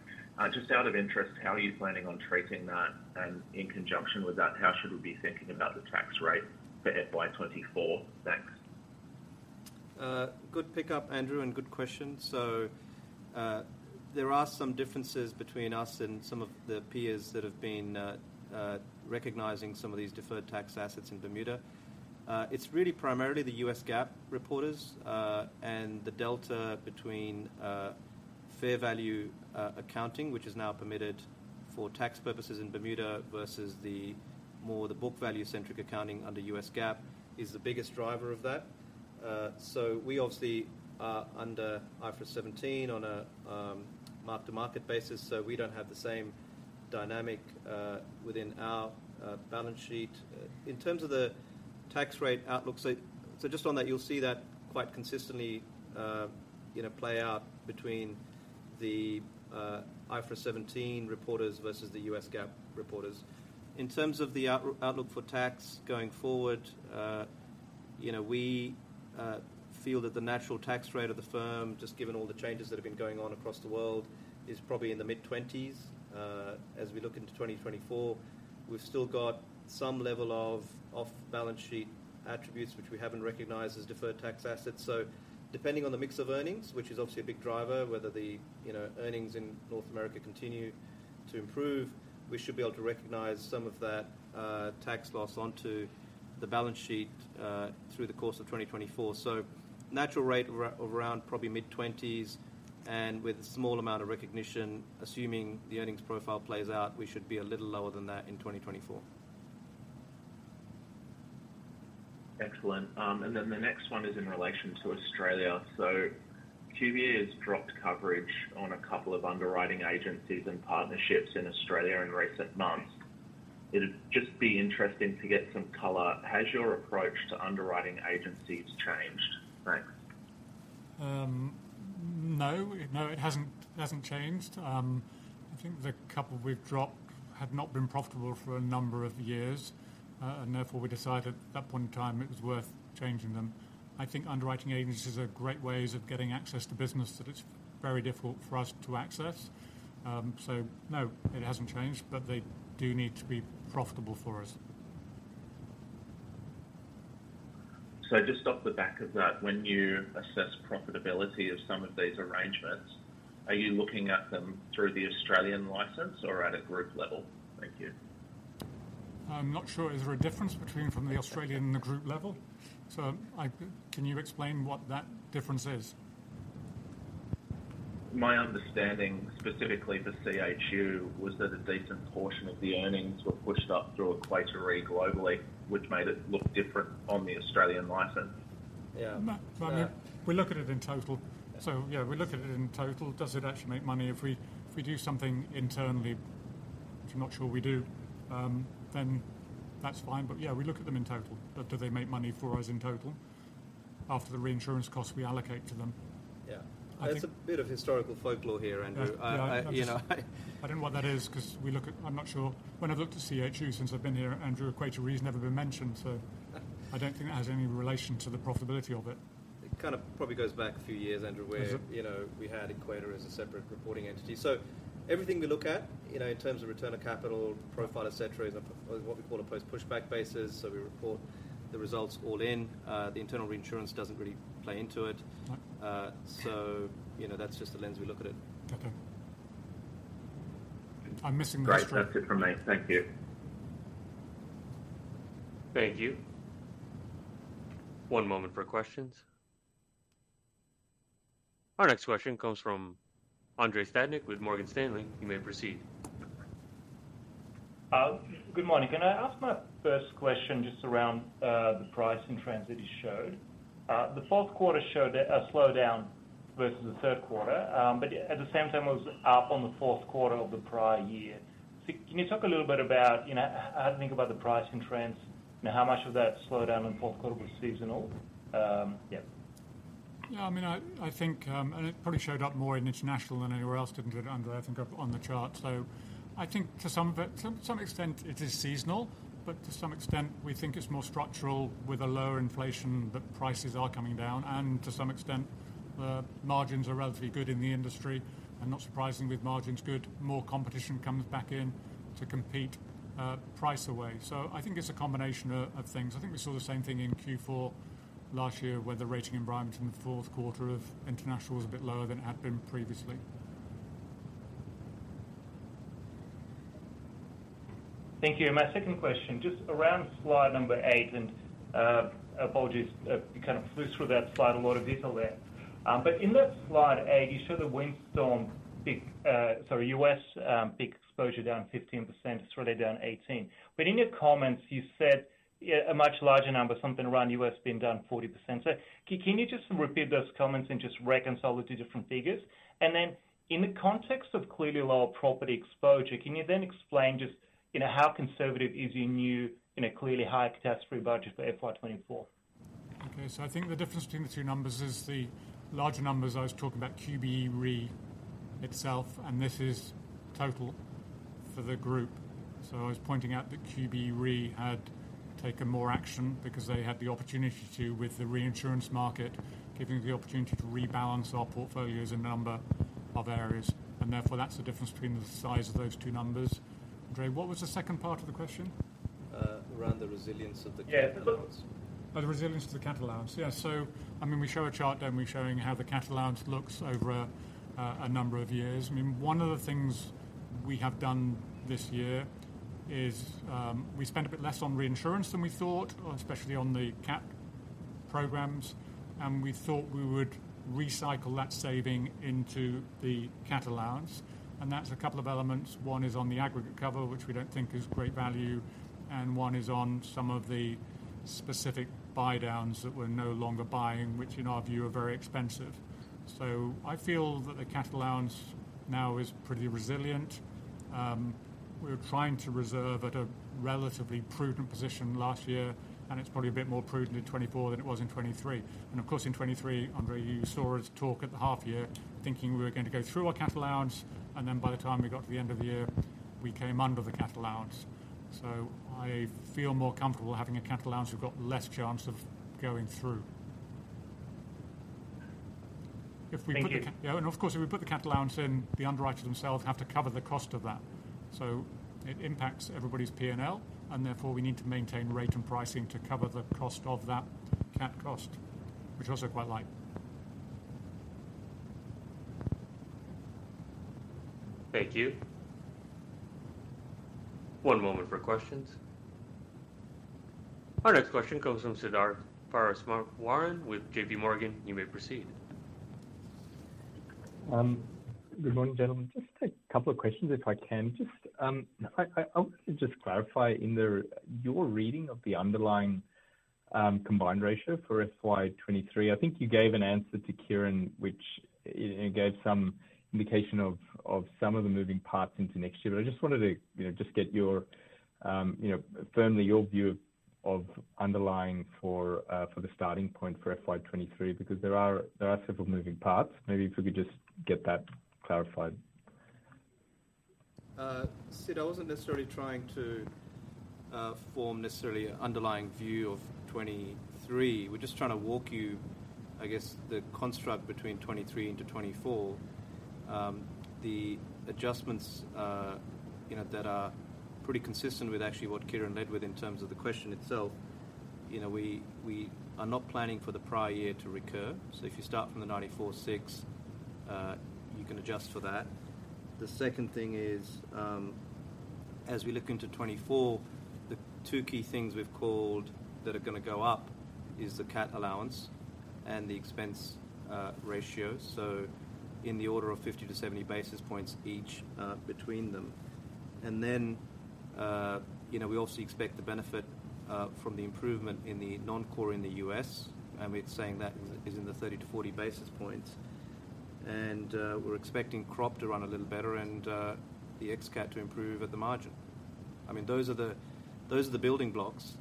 [SPEAKER 7] Just out of interest, how are you planning on treating that? And in conjunction with that, how should we be thinking about the tax rate for FY 2024? Thanks.
[SPEAKER 3] Good pick up, Andrew, and good question. So, there are some differences between us and some of the peers that have been recognizing some of these deferred tax assets in Bermuda. It's really primarily the U.S. GAAP reporters, and the delta between fair value accounting, which is now permitted for tax purposes in Bermuda, versus the more the book value centric accounting under U.S. GAAP, is the biggest driver of that. So we obviously are under IFRS 17 on a mark-to-market basis, so we don't have the same dynamic within our balance sheet. In terms of the tax rate outlook, so just on that, you'll see that quite consistently, you know, play out between the IFRS 17 reporters versus the U.S. GAAP reporters. In terms of the outlook for tax going forward, you know, we feel that the natural tax rate of the firm, just given all the changes that have been going on across the world, is probably in the mid-20%. As we look into 2024, we've still got some level of off-balance sheet attributes, which we haven't recognized as deferred tax assets. So depending on the mix of earnings, which is obviously a big driver, whether the, you know, earnings in North America continue to improve, we should be able to recognize some of that, tax loss onto the balance sheet, through the course of 2024. So natural rate around probably mid-20%, and with a small amount of recognition, assuming the earnings profile plays out, we should be a little lower than that in 2024.
[SPEAKER 7] Excellent. And then the next one is in relation to Australia. So QBE has dropped coverage on a couple of underwriting agencies and partnerships in Australia in recent months. It'd just be interesting to get some color. Has your approach to underwriting agencies changed? Thanks.
[SPEAKER 2] No. No, it hasn't, hasn't changed. I think the couple we've dropped had not been profitable for a number of years, and therefore, we decided at that point in time it was worth changing them. I think underwriting agencies are great ways of getting access to business, that it's very difficult for us to access. So no, it hasn't changed, but they do need to be profitable for us....
[SPEAKER 7] Just off the back of that, when you assess profitability of some of these arrangements, are you looking at them through the Australian license or at a group level? Thank you.
[SPEAKER 2] I'm not sure. Is there a difference between from the Australian and the group level? So can you explain what that difference is?
[SPEAKER 7] My understanding, specifically for CHU, was that a decent portion of the earnings were pushed up through Equator Re globally, which made it look different on the Australian license. Yeah,
[SPEAKER 2] Well, yeah, we look at it in total. So yeah, we look at it in total. Does it actually make money? If we, if we do something internally, which I'm not sure we do, then that's fine. But yeah, we look at them in total. Do they make money for us in total after the reinsurance costs we allocate to them?
[SPEAKER 3] Yeah.
[SPEAKER 2] I think-
[SPEAKER 3] There's a bit of historical folklore here, Andrew. You know,
[SPEAKER 2] I don't know what that is 'cause we look at... I'm not sure. When I've looked at CHU since I've been here, Andrew, Equator Re's never been mentioned, so I don't think that has any relation to the profitability of it.
[SPEAKER 3] It kind of probably goes back a few years, Andrew, where-
[SPEAKER 2] Mm-hmm...
[SPEAKER 3] you know, we had Equator as a separate reporting entity. So everything we look at, you know, in terms of return on capital, profile, et cetera, is on what we call a post-pushback basis, so we report the results all in. The internal reinsurance doesn't really play into it.
[SPEAKER 2] Right.
[SPEAKER 3] So, you know, that's just the lens we look at it.
[SPEAKER 2] Okay. I'm missing the-
[SPEAKER 7] Great. That's it from me. Thank you.
[SPEAKER 1] Thank you. One moment for questions. Our next question comes from Andrei Stadnik with Morgan Stanley. You may proceed.
[SPEAKER 8] Good morning. Can I ask my first question just around the pricing trends that you showed? The fourth quarter showed a slowdown versus the third quarter, but at the same time, was up on the fourth quarter of the prior year. So can you talk a little bit about, you know, how to think about the pricing trends and how much of that slowdown in fourth quarter was seasonal? Yeah.
[SPEAKER 2] Yeah, I mean, I think and it probably showed up more in International than anywhere else, didn't it, Andrei, I think, up on the chart. So I think to some bit, to some extent it is seasonal, but to some extent we think it's more structural with a lower inflation, but prices are coming down, and to some extent, the margins are relatively good in the industry. And not surprising, with margins good, more competition comes back in to compete, price away. So I think it's a combination of things. I think we saw the same thing in Q4 last year, where the rating environment in the fourth quarter of International was a bit lower than it had been previously.
[SPEAKER 8] Thank you. And my second question, just around slide number 8, and apologies, you kind of flew through that slide a lot of detail there. But in that slide, A, you show the windstorm peak, sorry, U.S., peak exposure down 15%, it's really down 18%. But in your comments, you said, yeah, a much larger number, something around U.S. being down 40%. So can you just repeat those comments and just reconcile the two different figures? And then in the context of clearly lower property exposure, can you then explain just, you know, how conservative is your new, you know, clearly higher catastrophe budget for FY 2024?
[SPEAKER 2] Okay. So I think the difference between the two numbers is the larger numbers, I was talking about QBE Re itself, and this is total for the group. So I was pointing out that QBE Re had taken more action because they had the opportunity to, with the reinsurance market, giving the opportunity to rebalance our portfolios in a number of areas. And therefore, that's the difference between the size of those two numbers. Andre, what was the second part of the question?
[SPEAKER 3] around the resilience of the cat allowance.
[SPEAKER 8] Yeah, the-
[SPEAKER 2] The resilience of the cat allowance. Yeah. So, I mean, we show a chart, don't we, showing how the cat allowance looks over a number of years. I mean, one of the things we have done this year is, we spent a bit less on reinsurance than we thought, especially on the cat programs, and we thought we would recycle that saving into the cat allowance. And that's a couple of elements. One is on the aggregate cover, which we don't think is great value, and one is on some of the specific buy downs that we're no longer buying, which in our view, are very expensive. So I feel that the cat allowance now is pretty resilient. We were trying to reserve at a relatively prudent position last year, and it's probably a bit more prudent in 2024 than it was in 2023. Of course, in 2023, Andrei, you saw us talk at the half year thinking we were going to go through our cat allowance, and then by the time we got to the end of the year, we came under the cat allowance. So I feel more comfortable having a cat allowance, we've got less chance of going through.
[SPEAKER 8] Thank you.
[SPEAKER 2] If we put yeah, and of course, if we put the cat allowance in, the underwriters themselves have to cover the cost of that. So it impacts everybody's P&L, and therefore, we need to maintain rate and pricing to cover the cost of that cat cost, which I also quite like.
[SPEAKER 1] Thank you. One moment for questions. Our next question comes from Siddharth Parameswaran with J.P. Morgan. You may proceed.
[SPEAKER 9] Good morning, gentlemen. Just a couple of questions, if I can. Just, I want to just clarify your reading of the underlying combined ratio for FY 2023. I think you gave an answer to Kieren, which, and it gave some indication of some of the moving parts into next year. But I just wanted to, you know, just get your, you know, firmly your view of underlying for the starting point for FY 2023, because there are several moving parts. Maybe if we could just get that clarified.
[SPEAKER 3] Sid, I wasn't necessarily trying to form necessarily an underlying view of 2023. We're just trying to walk you, I guess, the construct between 2023 into 2024. The adjustments, you know, that are pretty consistent with actually what Kieren led with in terms of the question itself. You know, we, we are not planning for the prior year to recur. So if you start from the 94.6, you can adjust for that. The second thing is, as we look into 2024, the two key things we've called that are gonna go up is the cat allowance and the expense ratio. So in the order of 50-70 basis points each, between them. And then, you know, we also expect the benefit from the improvement in the non-core in the U.S., and we're saying that is in the 30-40 basis points. And, we're expecting Crop to run a little better and, the ex-cat to improve at the margin. I mean, those are the, those are the building blocks,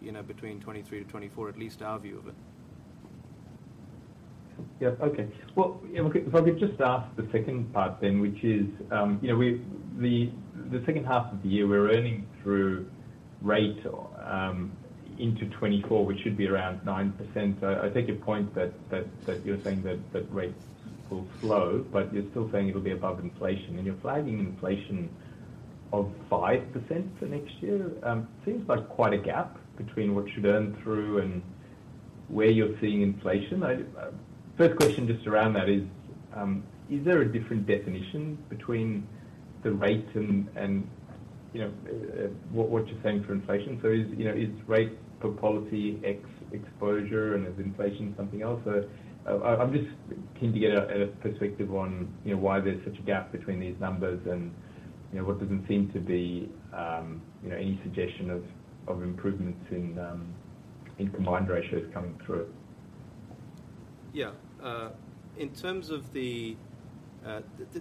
[SPEAKER 3] you know, between 2023-2024, at least our view of it.
[SPEAKER 9] Yeah. Okay. Well, yeah, look, if I could just ask the second part then, which is, you know, we... The second half of the year, we're earning through rate into 2024, which should be around 9%. I take your point that you're saying that rates will slow, but you're still saying it'll be above inflation, and you're flagging inflation of 5% for next year. Seems like quite a gap between what you should earn through and where you're seeing inflation. I... First question just around that is, is there a different definition between the rate and, and, you know, what you're saying for inflation? So is, you know, is rate for policy ex-exposure, and is inflation something else? So I, I'm just keen to get a perspective on, you know, why there's such a gap between these numbers and, you know, what doesn't seem to be, you know, any suggestion of improvements in combined ratios coming through.
[SPEAKER 3] Yeah. In terms of the,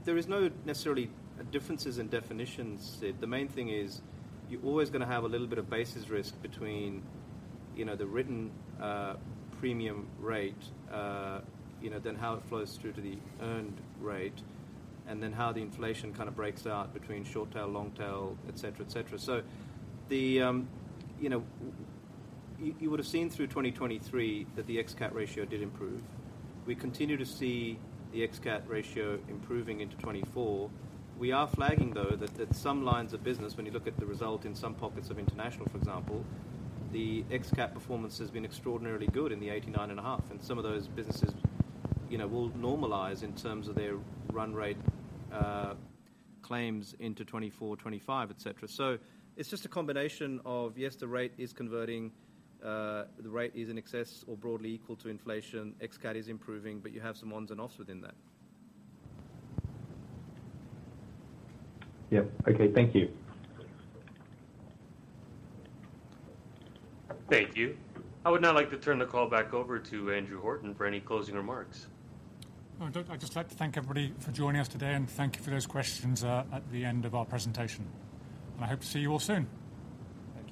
[SPEAKER 3] there is no necessarily differences in definitions, Sid. The main thing is, you're always gonna have a little bit of basis risk between, you know, the written premium rate, you know, then how it flows through to the earned rate, and then how the inflation kind of breaks out between short tail, long tail, et cetera, et cetera. So the, you know, you would have seen through 2023 that the ex-CAT ratio did improve. We continue to see the ex-CAT ratio improving into '2024. We are flagging, though, that some lines of business, when you look at the result in some pockets of International, for example, the ex-CAT performance has been extraordinarily good in the 89.5%, and some of those businesses, you know, will normalize in terms of their run rate, claims into 2024, 2025, et cetera. So it's just a combination of, yes, the rate is converting, the rate is in excess or broadly equal to inflation. Ex-CAT is improving, but you have some ons and offs within that.
[SPEAKER 9] Yep. Okay. Thank you.
[SPEAKER 1] Thank you. I would now like to turn the call back over to Andrew Horton for any closing remarks.
[SPEAKER 2] Well, I'd just like to thank everybody for joining us today, and thank you for those questions at the end of our presentation. I hope to see you all soon. Bye-bye.